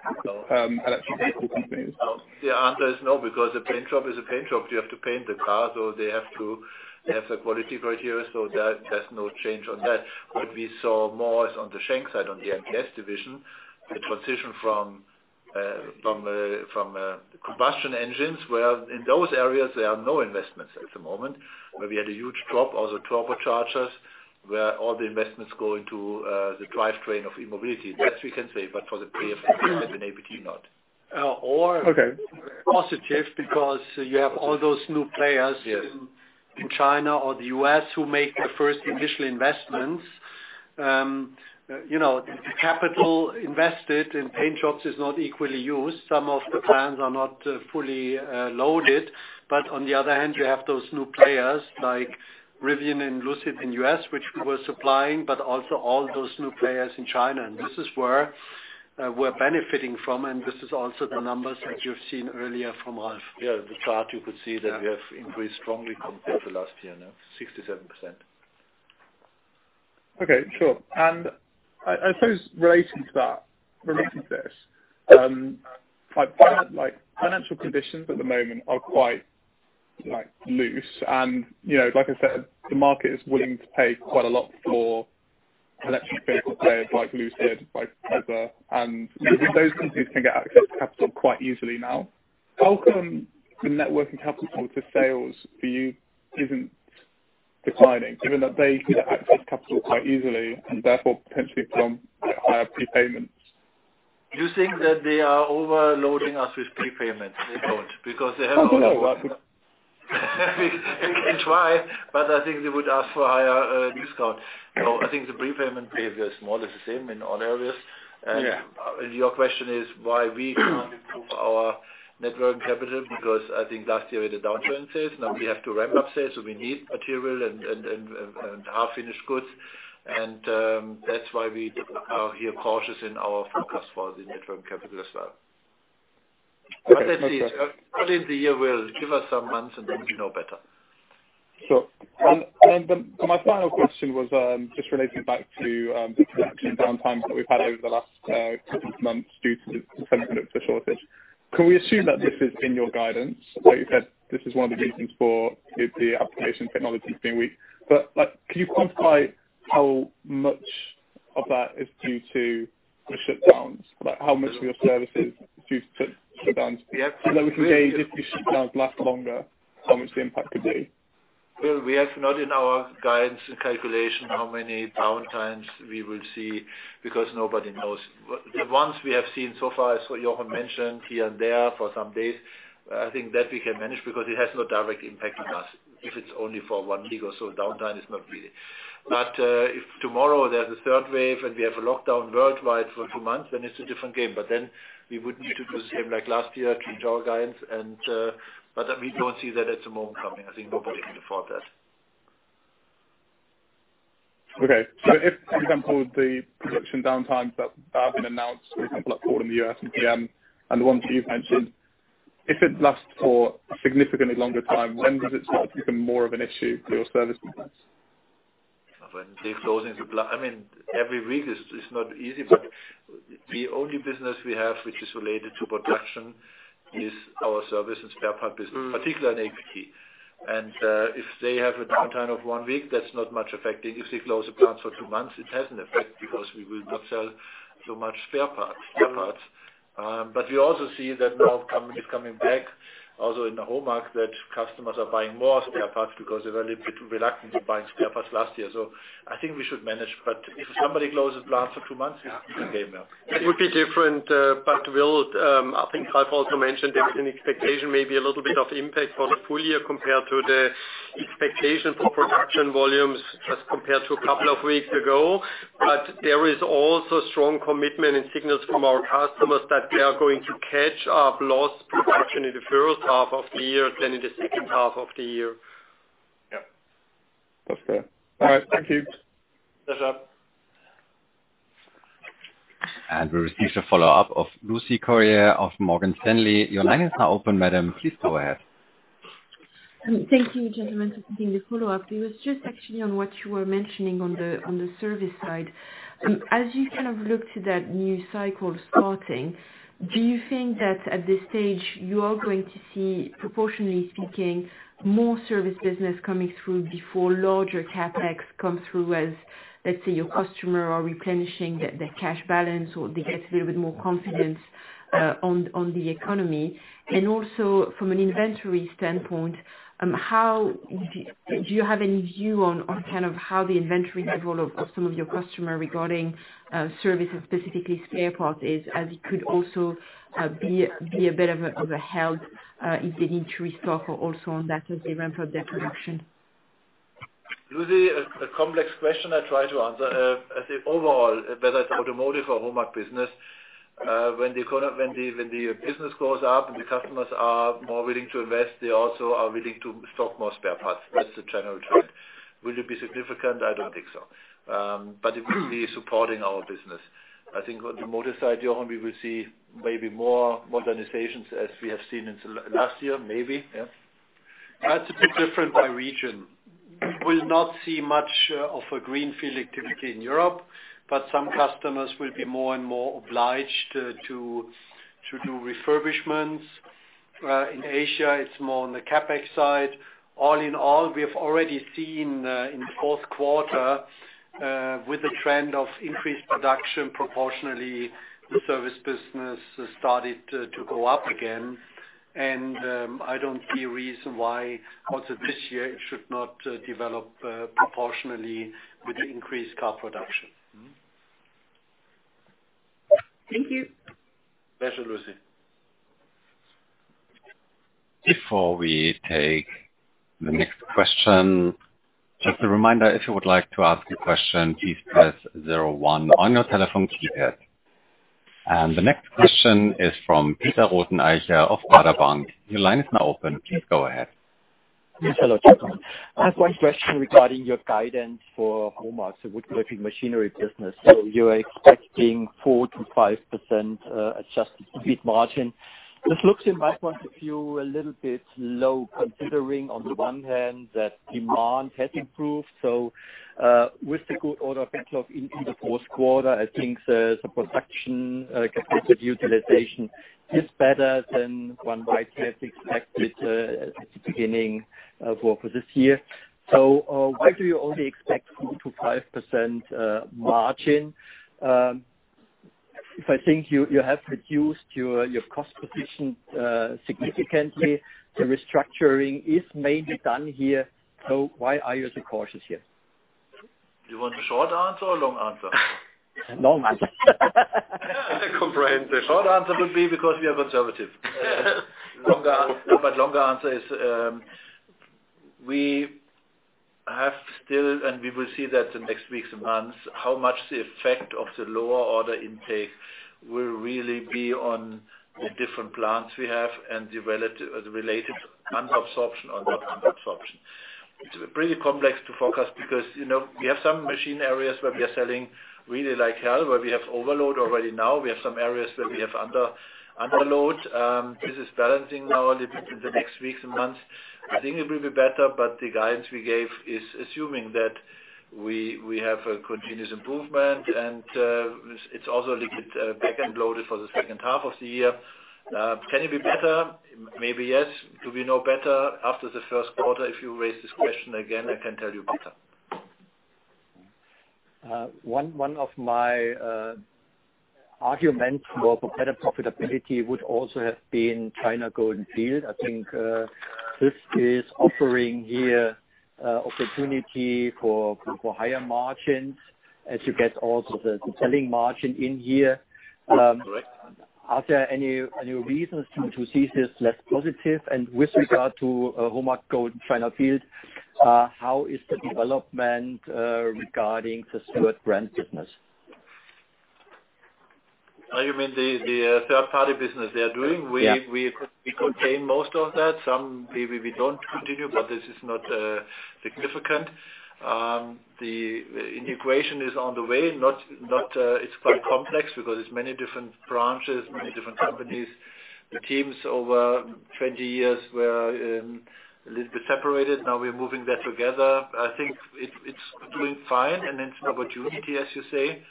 electric vehicle companies. The answer is no because a paint job is a paint job. You have to paint the car, so they have to have the quality criteria, so there's no change on that. What we saw more is on the Schenck side, on the MPS division, the transition from combustion engines, where in those areas, there are no investments at the moment. But we had a huge drop of the turbochargers, where all the investments go into the drivetrain of e-mobility. That we can say, but for the PFS and the APT, not. Or positive because you have all those new players in China or the US who make the first initial investments. Capital invested in paint jobs is not equally used. Some of the plants are not fully loaded. But on the other hand, you have those new players like Rivian and Lucid in the US, which we were supplying, but also all those new players in China, and this is where we're benefiting from, and this is also the numbers that you've seen earlier from Ralf. Yeah, the chart you could see that we have increased strongly compared to last year, 67%. Okay. Sure. And I suppose relating to that, relating to this, financial conditions at the moment are quite loose. And like I said, the market is willing to pay quite a lot for electric vehicle players like Lucid and other companies. And those companies can get access to capital quite easily now. How come the net working capital to sales for you isn't declining, given that they can get access to capital quite easily and therefore potentially put on higher prepayments? You think that they are overloading us with prepayments? They don't because they have a lot of. No, no. They try, but I think they would ask for a higher discount. So I think the prepayment behavior is more or less the same in all areas, and your question is why we can't improve our net working capital? Because I think last year we had a downturn in sales. Now we have to ramp up sales, so we need material and semi-finished goods. And that's why we are very cautious in our focus for the net working capital as well. But that's it. Not this year. We'll give it some months, and then we know better. Sure. And my final question was just relating back to the production downtime that we've had over the last couple of months due to the semiconductor shortage. Can we assume that this is in your guidance? You said this is one of the reasons for the Application Technology being weak. But can you quantify how much of that is due to the shutdowns? How much of your services is due to shutdowns? So that we can gauge if these shutdowns last longer, how much the impact could be? We have not in our guidance and calculation how many downtimes we will see because nobody knows. The ones we have seen so far, as Jochen mentioned, here and there for some days, I think that we can manage because it has no direct impact on us if it's only for one week or so. Downtime is not really. If tomorrow there's a third wave and we have a lockdown worldwide for two months, then it's a different game. Then we would need to do the same like last year, change our guidance. We don't see that at the moment coming. I think nobody can afford that. Okay. So if, for example, the production downtimes that have been announced, for example, at Ford in the US and GM, and the ones that you've mentioned, if it lasts for a significantly longer time, when does it start to become more of an issue for your service companies? When they're closing, I mean, every week is not easy, but the only business we have, which is related to production, is our services and spare part business, particularly in APT, and if they have a downtime of one week, that's not much affecting. If they close the plant for two months, it has an effect because we will not sell so much spare parts, but we also see that now companies coming back, also in the HOMAG, that customers are buying more spare parts because they were a little bit reluctant to buy spare parts last year, so I think we should manage, but if somebody closes the plant for two months, it's a game now. It would be different, but I think Ralf also mentioned there was an expectation, maybe a little bit of impact for the full year compared to the expectation for production volumes as compared to a couple of weeks ago. But there is also strong commitment and signals from our customers that they are going to catch up lost production in the first half of the year than in the second half of the year. Yeah. That's clear. All right. Thank you. Pleasure. We received a follow-up from Lucie Carrier of Morgan Stanley. Your line is now open, madam. Please go ahead. Thank you, gentlemen, for completing the follow-up. It was just actually on what you were mentioning on the service side. As you kind of look to that new cycle starting, do you think that at this stage you are going to see, proportionally speaking, more service business coming through before larger CapEx comes through as, let's say, your customer are replenishing their cash balance or they get a little bit more confidence on the economy? And also, from an inventory standpoint, do you have any view on kind of how the inventory level of some of your customers regarding service and specifically spare parts is, as it could also be a bit of a headwind if they need to restock or also on that as they ramp up their production? Lucie, a complex question I try to answer. I say overall, whether it's Automotive or HOMAG business, when the business goes up and the customers are more willing to invest, they also are willing to stock more spare parts. That's the general trend. Will it be significant? I don't think so. But it will be supporting our business. I think on the motor side, Jochen, we will see maybe more modernizations as we have seen in last year, maybe. Yeah. That's a bit different by region. We will not see much of a greenfield activity in Europe, but some customers will be more and more obliged to do refurbishments. In Asia, it's more on the CapEx side. All in all, we have already seen in the fourth quarter, with the trend of increased production, proportionally, the service business started to go up again, and I don't see a reason why also this year it should not develop proportionally with the increased car production. Thank you. Pleasure, Lucie. Before we take the next question, just a reminder, if you would like to ask a question, please press zero one one on your telephone keypad. And the next question is from Peter Rothenaicher of Baader Bank. Your line is now open. Please go ahead. Yes, hello. I have one question regarding your guidance for HOMAG Woodworking Machinery and Systems business. So you're expecting 4%-5% adjusted EBIT margin. This looks in my point of view a little bit low, considering on the one hand that demand has improved. So with the good order intake in the fourth quarter, I think the production capacity utilization is better than one might have expected at the beginning for this year. So why do you only expect 4%-5% margin? I think you have reduced your cost position significantly. The restructuring is mainly done here. So why are you so cautious here? Do you want a short answer or a long answer? Long answer. Comprehensive. Short answer would be because we are conservative. But longer answer is we have still, and we will see that in the next weeks and months, how much the effect of the lower order intake will really be on the different plants we have and the related under-absorption or not under-absorption. It's pretty complex to forecast because we have some machine areas where we are selling really like hell, where we have overload already now. We have some areas where we have underload. This is balancing now a little bit in the next weeks and months. I think it will be better, but the guidance we gave is assuming that we have a continuous improvement, and it's also a little bit back-loaded for the second half of the year. Can it be better? Maybe yes. Do we know better after the first quarter? If you raise this question again, I can tell you better. One of my arguments for better profitability would also have been China Golden Field. I think this is offering here opportunity for higher margins as you get also the selling margin in here. Are there any reasons to see this less positive? And with regard to HOMAG China Golden Field, how is the development regarding the trading brand business? You mean the third-party business they are doing? We contain most of that. Some maybe we don't continue, but this is not significant. The integration is on the way. It's quite complex because it's many different branches, many different companies. The teams over 20 years were a little bit separated. Now we're moving that together. I think it's doing fine, and it's an opportunity, as you say.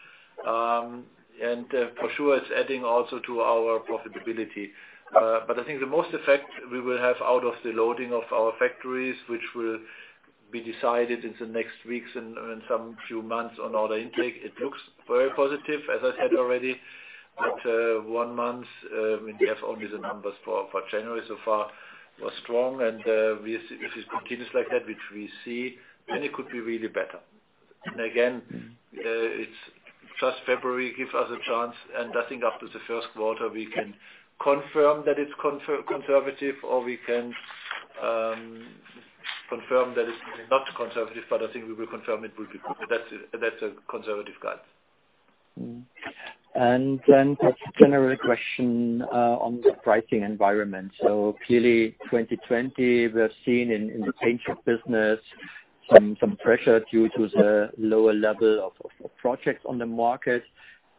And for sure, it's adding also to our profitability. But I think the most effect we will have out of the loading of our factories, which will be decided in the next weeks and some few months on order intake, it looks very positive, as I said already. But one month, we have only the numbers for January so far, was strong. And if it continues like that, which we see, then it could be really better. And again, it's just February gives us a chance. And I think after the first quarter, we can confirm that it's conservative, or we can confirm that it's not conservative, but I think we will confirm it would be good. That's a conservative guidance. And then a general question on the pricing environment. So clearly, 2020, we have seen in the Paint Shop business some pressure due to the lower level of projects on the market.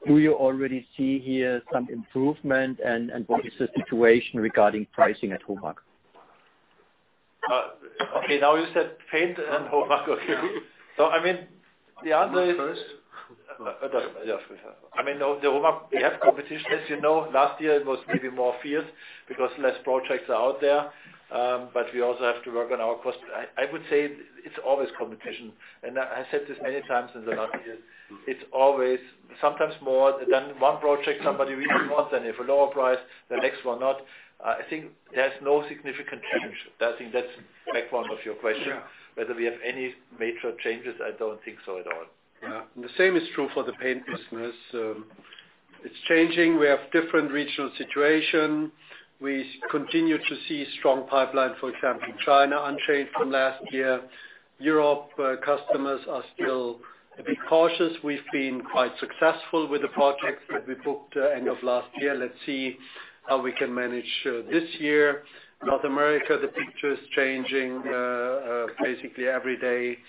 Do you already see here some improvement? And what is the situation regarding pricing at HOMAG? Okay. Now you said Paint and HOMAG. Okay. So I mean, the answer is. Go first. I mean, the HOMAG, we have competition. As you know, last year, it was maybe more fierce because less projects are out there. But we also have to work on our cost. I would say it's always competition, and I said this many times in the last year. It's always sometimes more than one project somebody really wants, and if a lower price, the next one not. I think there's no significant change. I think that's background of your question. Whether we have any major changes, I don't think so at all. Yeah. And the same is true for the Paint business. It's changing. We have different regional situations. We continue to see strong pipeline, for example, China unchanged from last year. Europe customers are still a bit cautious. We've been quite successful with the projects that we booked end of last year. Let's see how we can manage this year. North America, the picture is changing basically every day,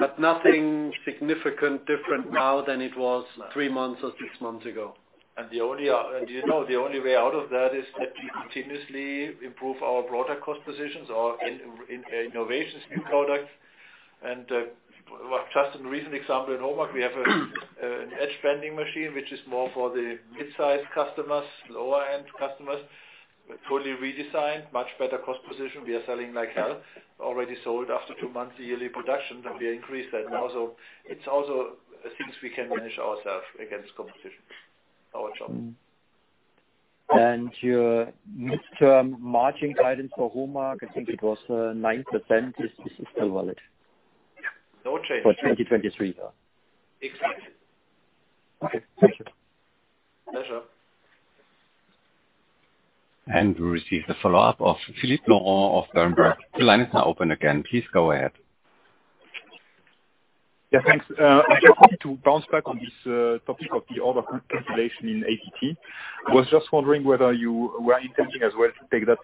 but nothing significant different now than it was three months or six months ago. Do you know the only way out of that is that we continuously improve our broader cost positions or innovations in products? Just a recent example in HOMAG, we have an edge banding machine, which is more for the mid-size customers, lower-end customers. Totally redesigned, much better cost position. We are selling like hell. Already sold after two months yearly production. We increased that now. So it's also things we can manage ourselves against competition, our job. Your midterm margin guidance for HOMAG, I think it was 9%. Is this still valid? Yeah. No change. For 2023. Exactly. Okay. Thank you. Pleasure. We received a follow-up of Philippe Lorrain of Berenberg. The line is now open again. Please go ahead. Yeah, thanks. I just wanted to bounce back on this topic of the order cancellation in APT. I was just wondering whether you were intending as well to take that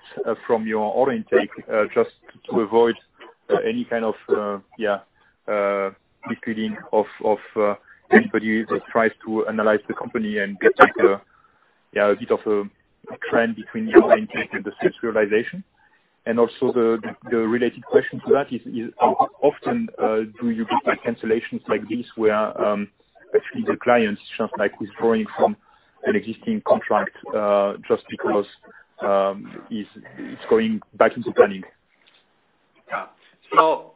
from your order intake just to avoid any kind of, yeah, misleading of anybody that tries to analyze the company and get a bit of a trend between the order intake and the sales realization. And also the related question to that is, often do you get cancellations like this where actually the client is just like withdrawing from an existing contract just because it's going back into planning? Yeah. So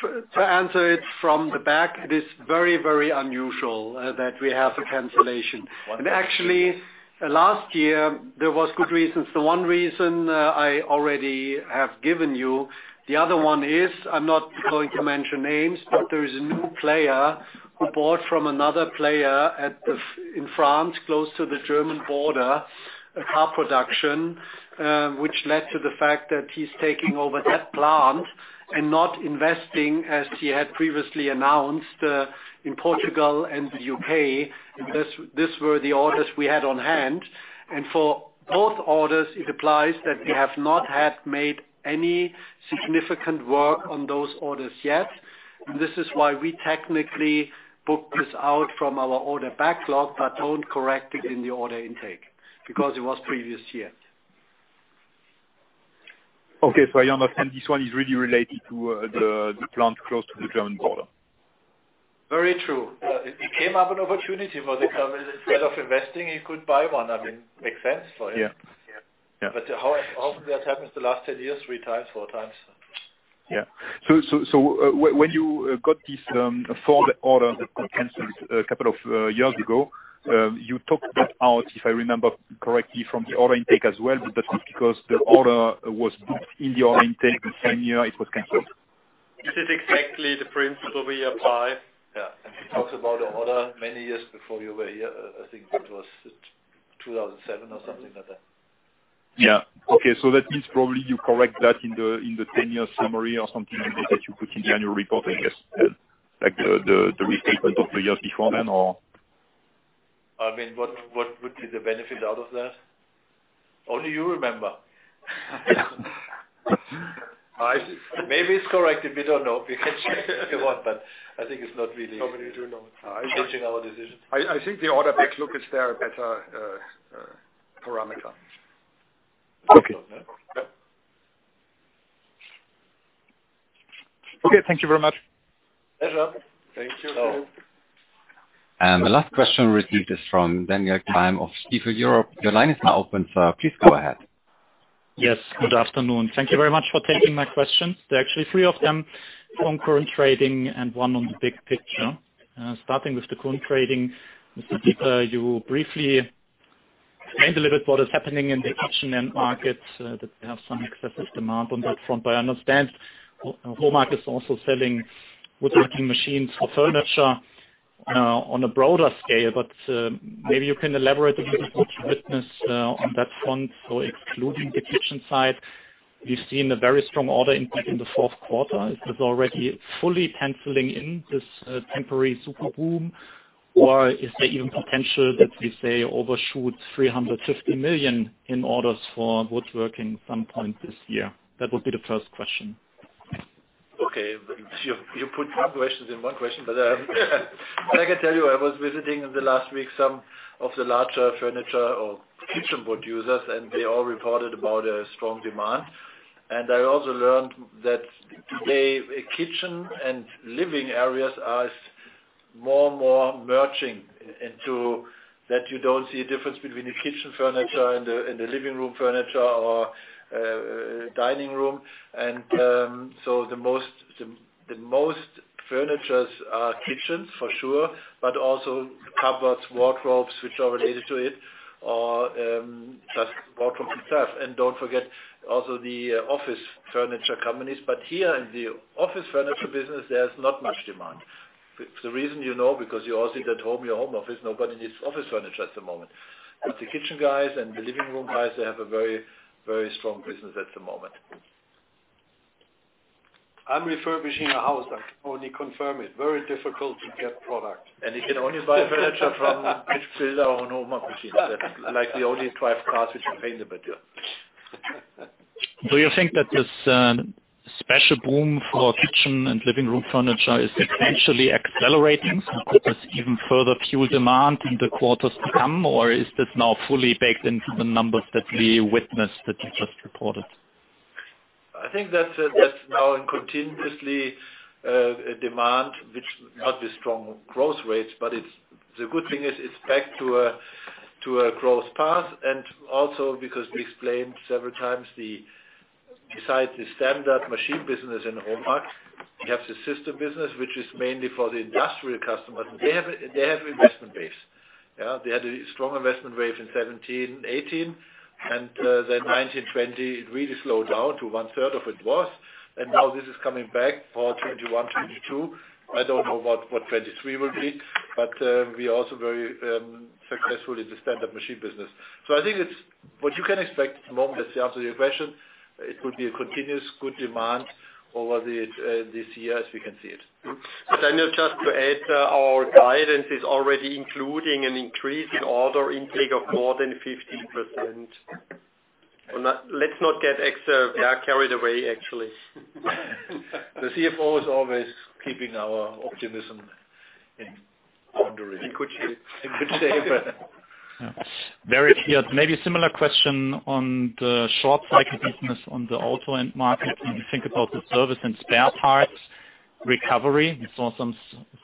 to answer it from the back, it is very, very unusual that we have a cancellation. And actually, last year, there was good reasons. The one reason I already have given you, the other one is I'm not going to mention names, but there is a new player who bought from another player in France close to the German border a car production, which led to the fact that he's taking over that plant and not investing as he had previously announced in Portugal and the UK. These were the orders we had on hand. And for both orders, it applies that we have not had made any significant work on those orders yet. And this is why we technically booked this out from our order backlog, but don't correct it in the order intake because it was previous year. Okay. So I understand this one is really related to the plant close to the German border. Very true. It came up an opportunity for the company. Instead of investing, he could buy one. I mean, it makes sense for him. But how often that happens the last 10 years? Three times, four times. Yeah. So when you got this third order that got canceled a couple of years ago, you took that out, if I remember correctly, from the order intake as well. But that's not because the order was booked in the order intake the same year it was canceled. This is exactly the principle we apply. Yeah. And we talked about the order many years before you were here. I think it was 2007 or something like that. Yeah. Okay. So that means probably you correct that in the 10-year summary or something that you put in the annual report, I guess, like the restatement of the years before then, or? I mean, what would be the benefit out of that? Only you remember. Maybe it's corrected. We don't know. We can check with Jochen, but I think it's not really changing our decision. I think the order backlog is a better parameter. Okay. Okay. Thank you very much. Pleasure. Thank you. The last question received is from Daniel Gleim of Stifel Europe. Your line is now open, so please go ahead. Yes. Good afternoon. Thank you very much for taking my questions. There are actually three of them on current trading and one on the big picture. Starting with the current trading, Mr. Dieter, you briefly explained a little bit what is happening in the kitchen end market, that they have some excessive demand on that front. But I understand HOMAG is also selling woodworking machines for furniture on a broader scale. But maybe you can elaborate a little bit on that front. So excluding the kitchen side, we've seen a very strong order intake in the fourth quarter. Is this already fully penciling in this temporary super boom, or is there even potential that we say overshoot 350 million in orders for woodworking at some point this year? That would be the first question. Okay. You put some questions in one question, but I can tell you I was visiting in the last week some of the larger furniture or kitchen board users, and they all reported about a strong demand, and I also learned that today kitchen and living areas are more and more merging into that you don't see a difference between the kitchen furniture and the living room furniture or dining room, and so the most furnitures are kitchens, for sure, but also cupboards, wardrobes, which are related to it, or just wardrobes themselves, and don't forget also the office furniture companies, but here in the office furniture business, there's not much demand. The reason you know because you all sit at home, your home office, nobody needs office furniture at the moment. But the kitchen guys and the living room guys, they have a very, very strong business at the moment. I'm refurbishing a house. I can only confirm it. Very difficult to get product. And you can only buy furniture from kitchen builders or an old market machine. That's like the only drive cars which are painted, but yeah. Do you think that this special boom for kitchen and living room furniture is potentially accelerating? Could this even further fuel demand in the quarters to come, or is this now fully baked into the numbers that we witnessed that you just reported? I think that's now continuously a demand, which not with strong growth rates, but the good thing is it's back to a growth path. And also because we explained several times, besides the standard machine business in HOMAG, we have the system business, which is mainly for the industrial customers. They have an investment base. They had a strong investment wave in 2017, 2018, and then 2019, 2020, it really slowed down to 1/3 of what it was. And now this is coming back for 2021, 2022. I don't know what 2023 will be, but we are also very successful in the standard machine business. So I think what you can expect at the moment, that's the answer to your question. It would be a continuous good demand over this year as we can see it. Daniel, just to add, our guidance is already including an increase in order intake of more than 15%. Let's not get carried away, actually. The CFO is always keeping our optimism in check. He could say, but. Very clear. Maybe a similar question on the short-cycle business on the auto end market. When you think about the service and spare parts recovery, we saw some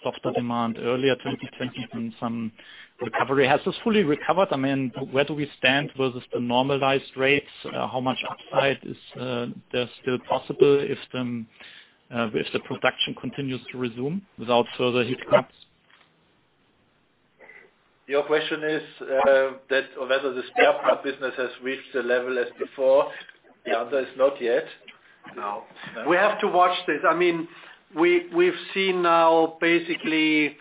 softer demand earlier 2020, and some recovery. Has this fully recovered? I mean, where do we stand versus the normalized rates? How much upside is there still possible if the production continues to resume without further hiccups? Your question is whether the spare part business has reached the level as before. The answer is not yet. No. We have to watch this. I mean, we've seen now basically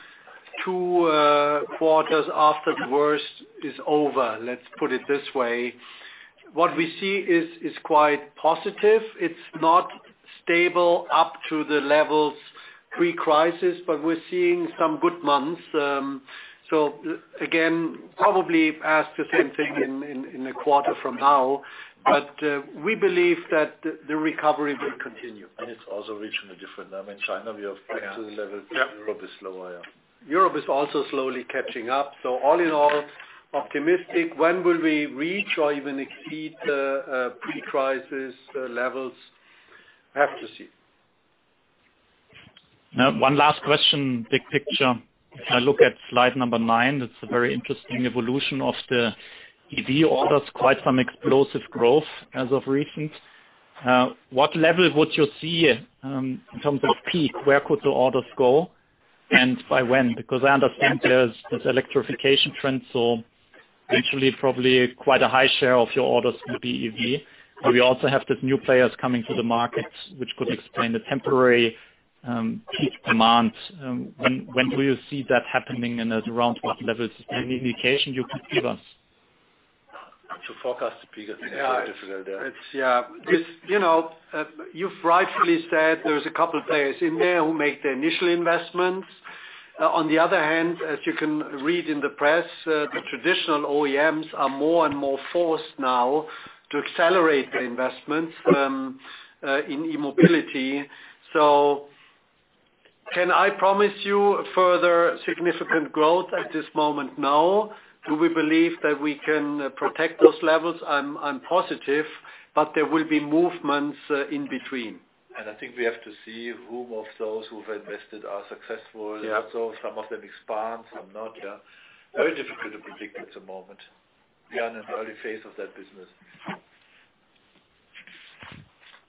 two quarters after the worst is over, let's put it this way. What we see is quite positive. It's not stable up to the levels pre-crisis, but we're seeing some good months. So again, probably ask the same thing in a quarter from now, but we believe that the recovery will continue. And it's also reaching a different level. In China, we have back to the level because Europe is slower, yeah. Europe is also slowly catching up. So all in all, optimistic. When will we reach or even exceed the pre-crisis levels? Have to see. Now, one last question, big picture. If I look at slide number nine, it's a very interesting evolution of the EV orders. Quite some explosive growth as of recent. What level would you see in terms of peak? Where could the orders go and by when? Because I understand there's this electrification trend, so eventually probably quite a high share of your orders will be EV. But we also have these new players coming to the market, which could explain the temporary peak demand. When do you see that happening and at around what levels? Any indication you could give us? To forecast the peak is difficult. Yeah. You've rightfully said there's a couple of players in there who make the initial investments. On the other hand, as you can read in the press, the traditional OEMs are more and more forced now to accelerate the investments in e-mobility. So can I promise you further significant growth at this moment? No. Do we believe that we can protect those levels? I'm positive, but there will be movements in between. I think we have to see whom of those who've invested are successful. Some of them expand, some not. Yeah. Very difficult to predict at the moment. We are in an early phase of that business.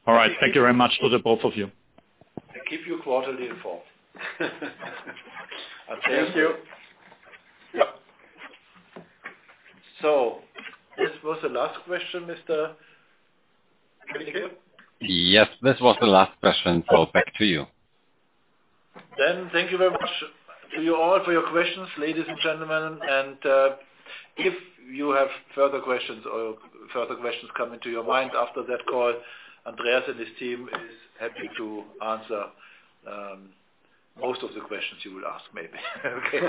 All right. Thank you very much to the both of you. Keep you quarterly informed. Thank you. So this was the last question, Mr. Benigam. Yes. This was the last question. So back to you. Thank you very much to you all for your questions, ladies and gentlemen. If you have further questions or further questions come into your mind after that call, Andreas and his team are happy to answer most of the questions you will ask maybe. Okay.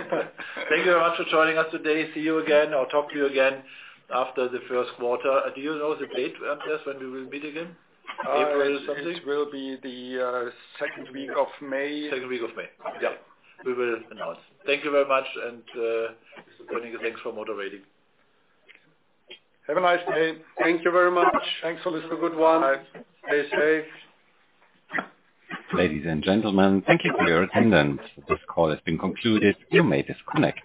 Thank you very much for joining us today. See you again or talk to you again after the first quarter. Do you know the date, Andreas, when we will meet again? April or something? It will be the second week of May. Second week of May. Yeah. We will announce. Thank you very much, and many thanks for moderating. Have a nice day. Thank you very much. Thanks, Alyssa. Good one. Bye. Stay safe. Ladies and gentlemen, thank you for your attendance. This call has been concluded. You may disconnect.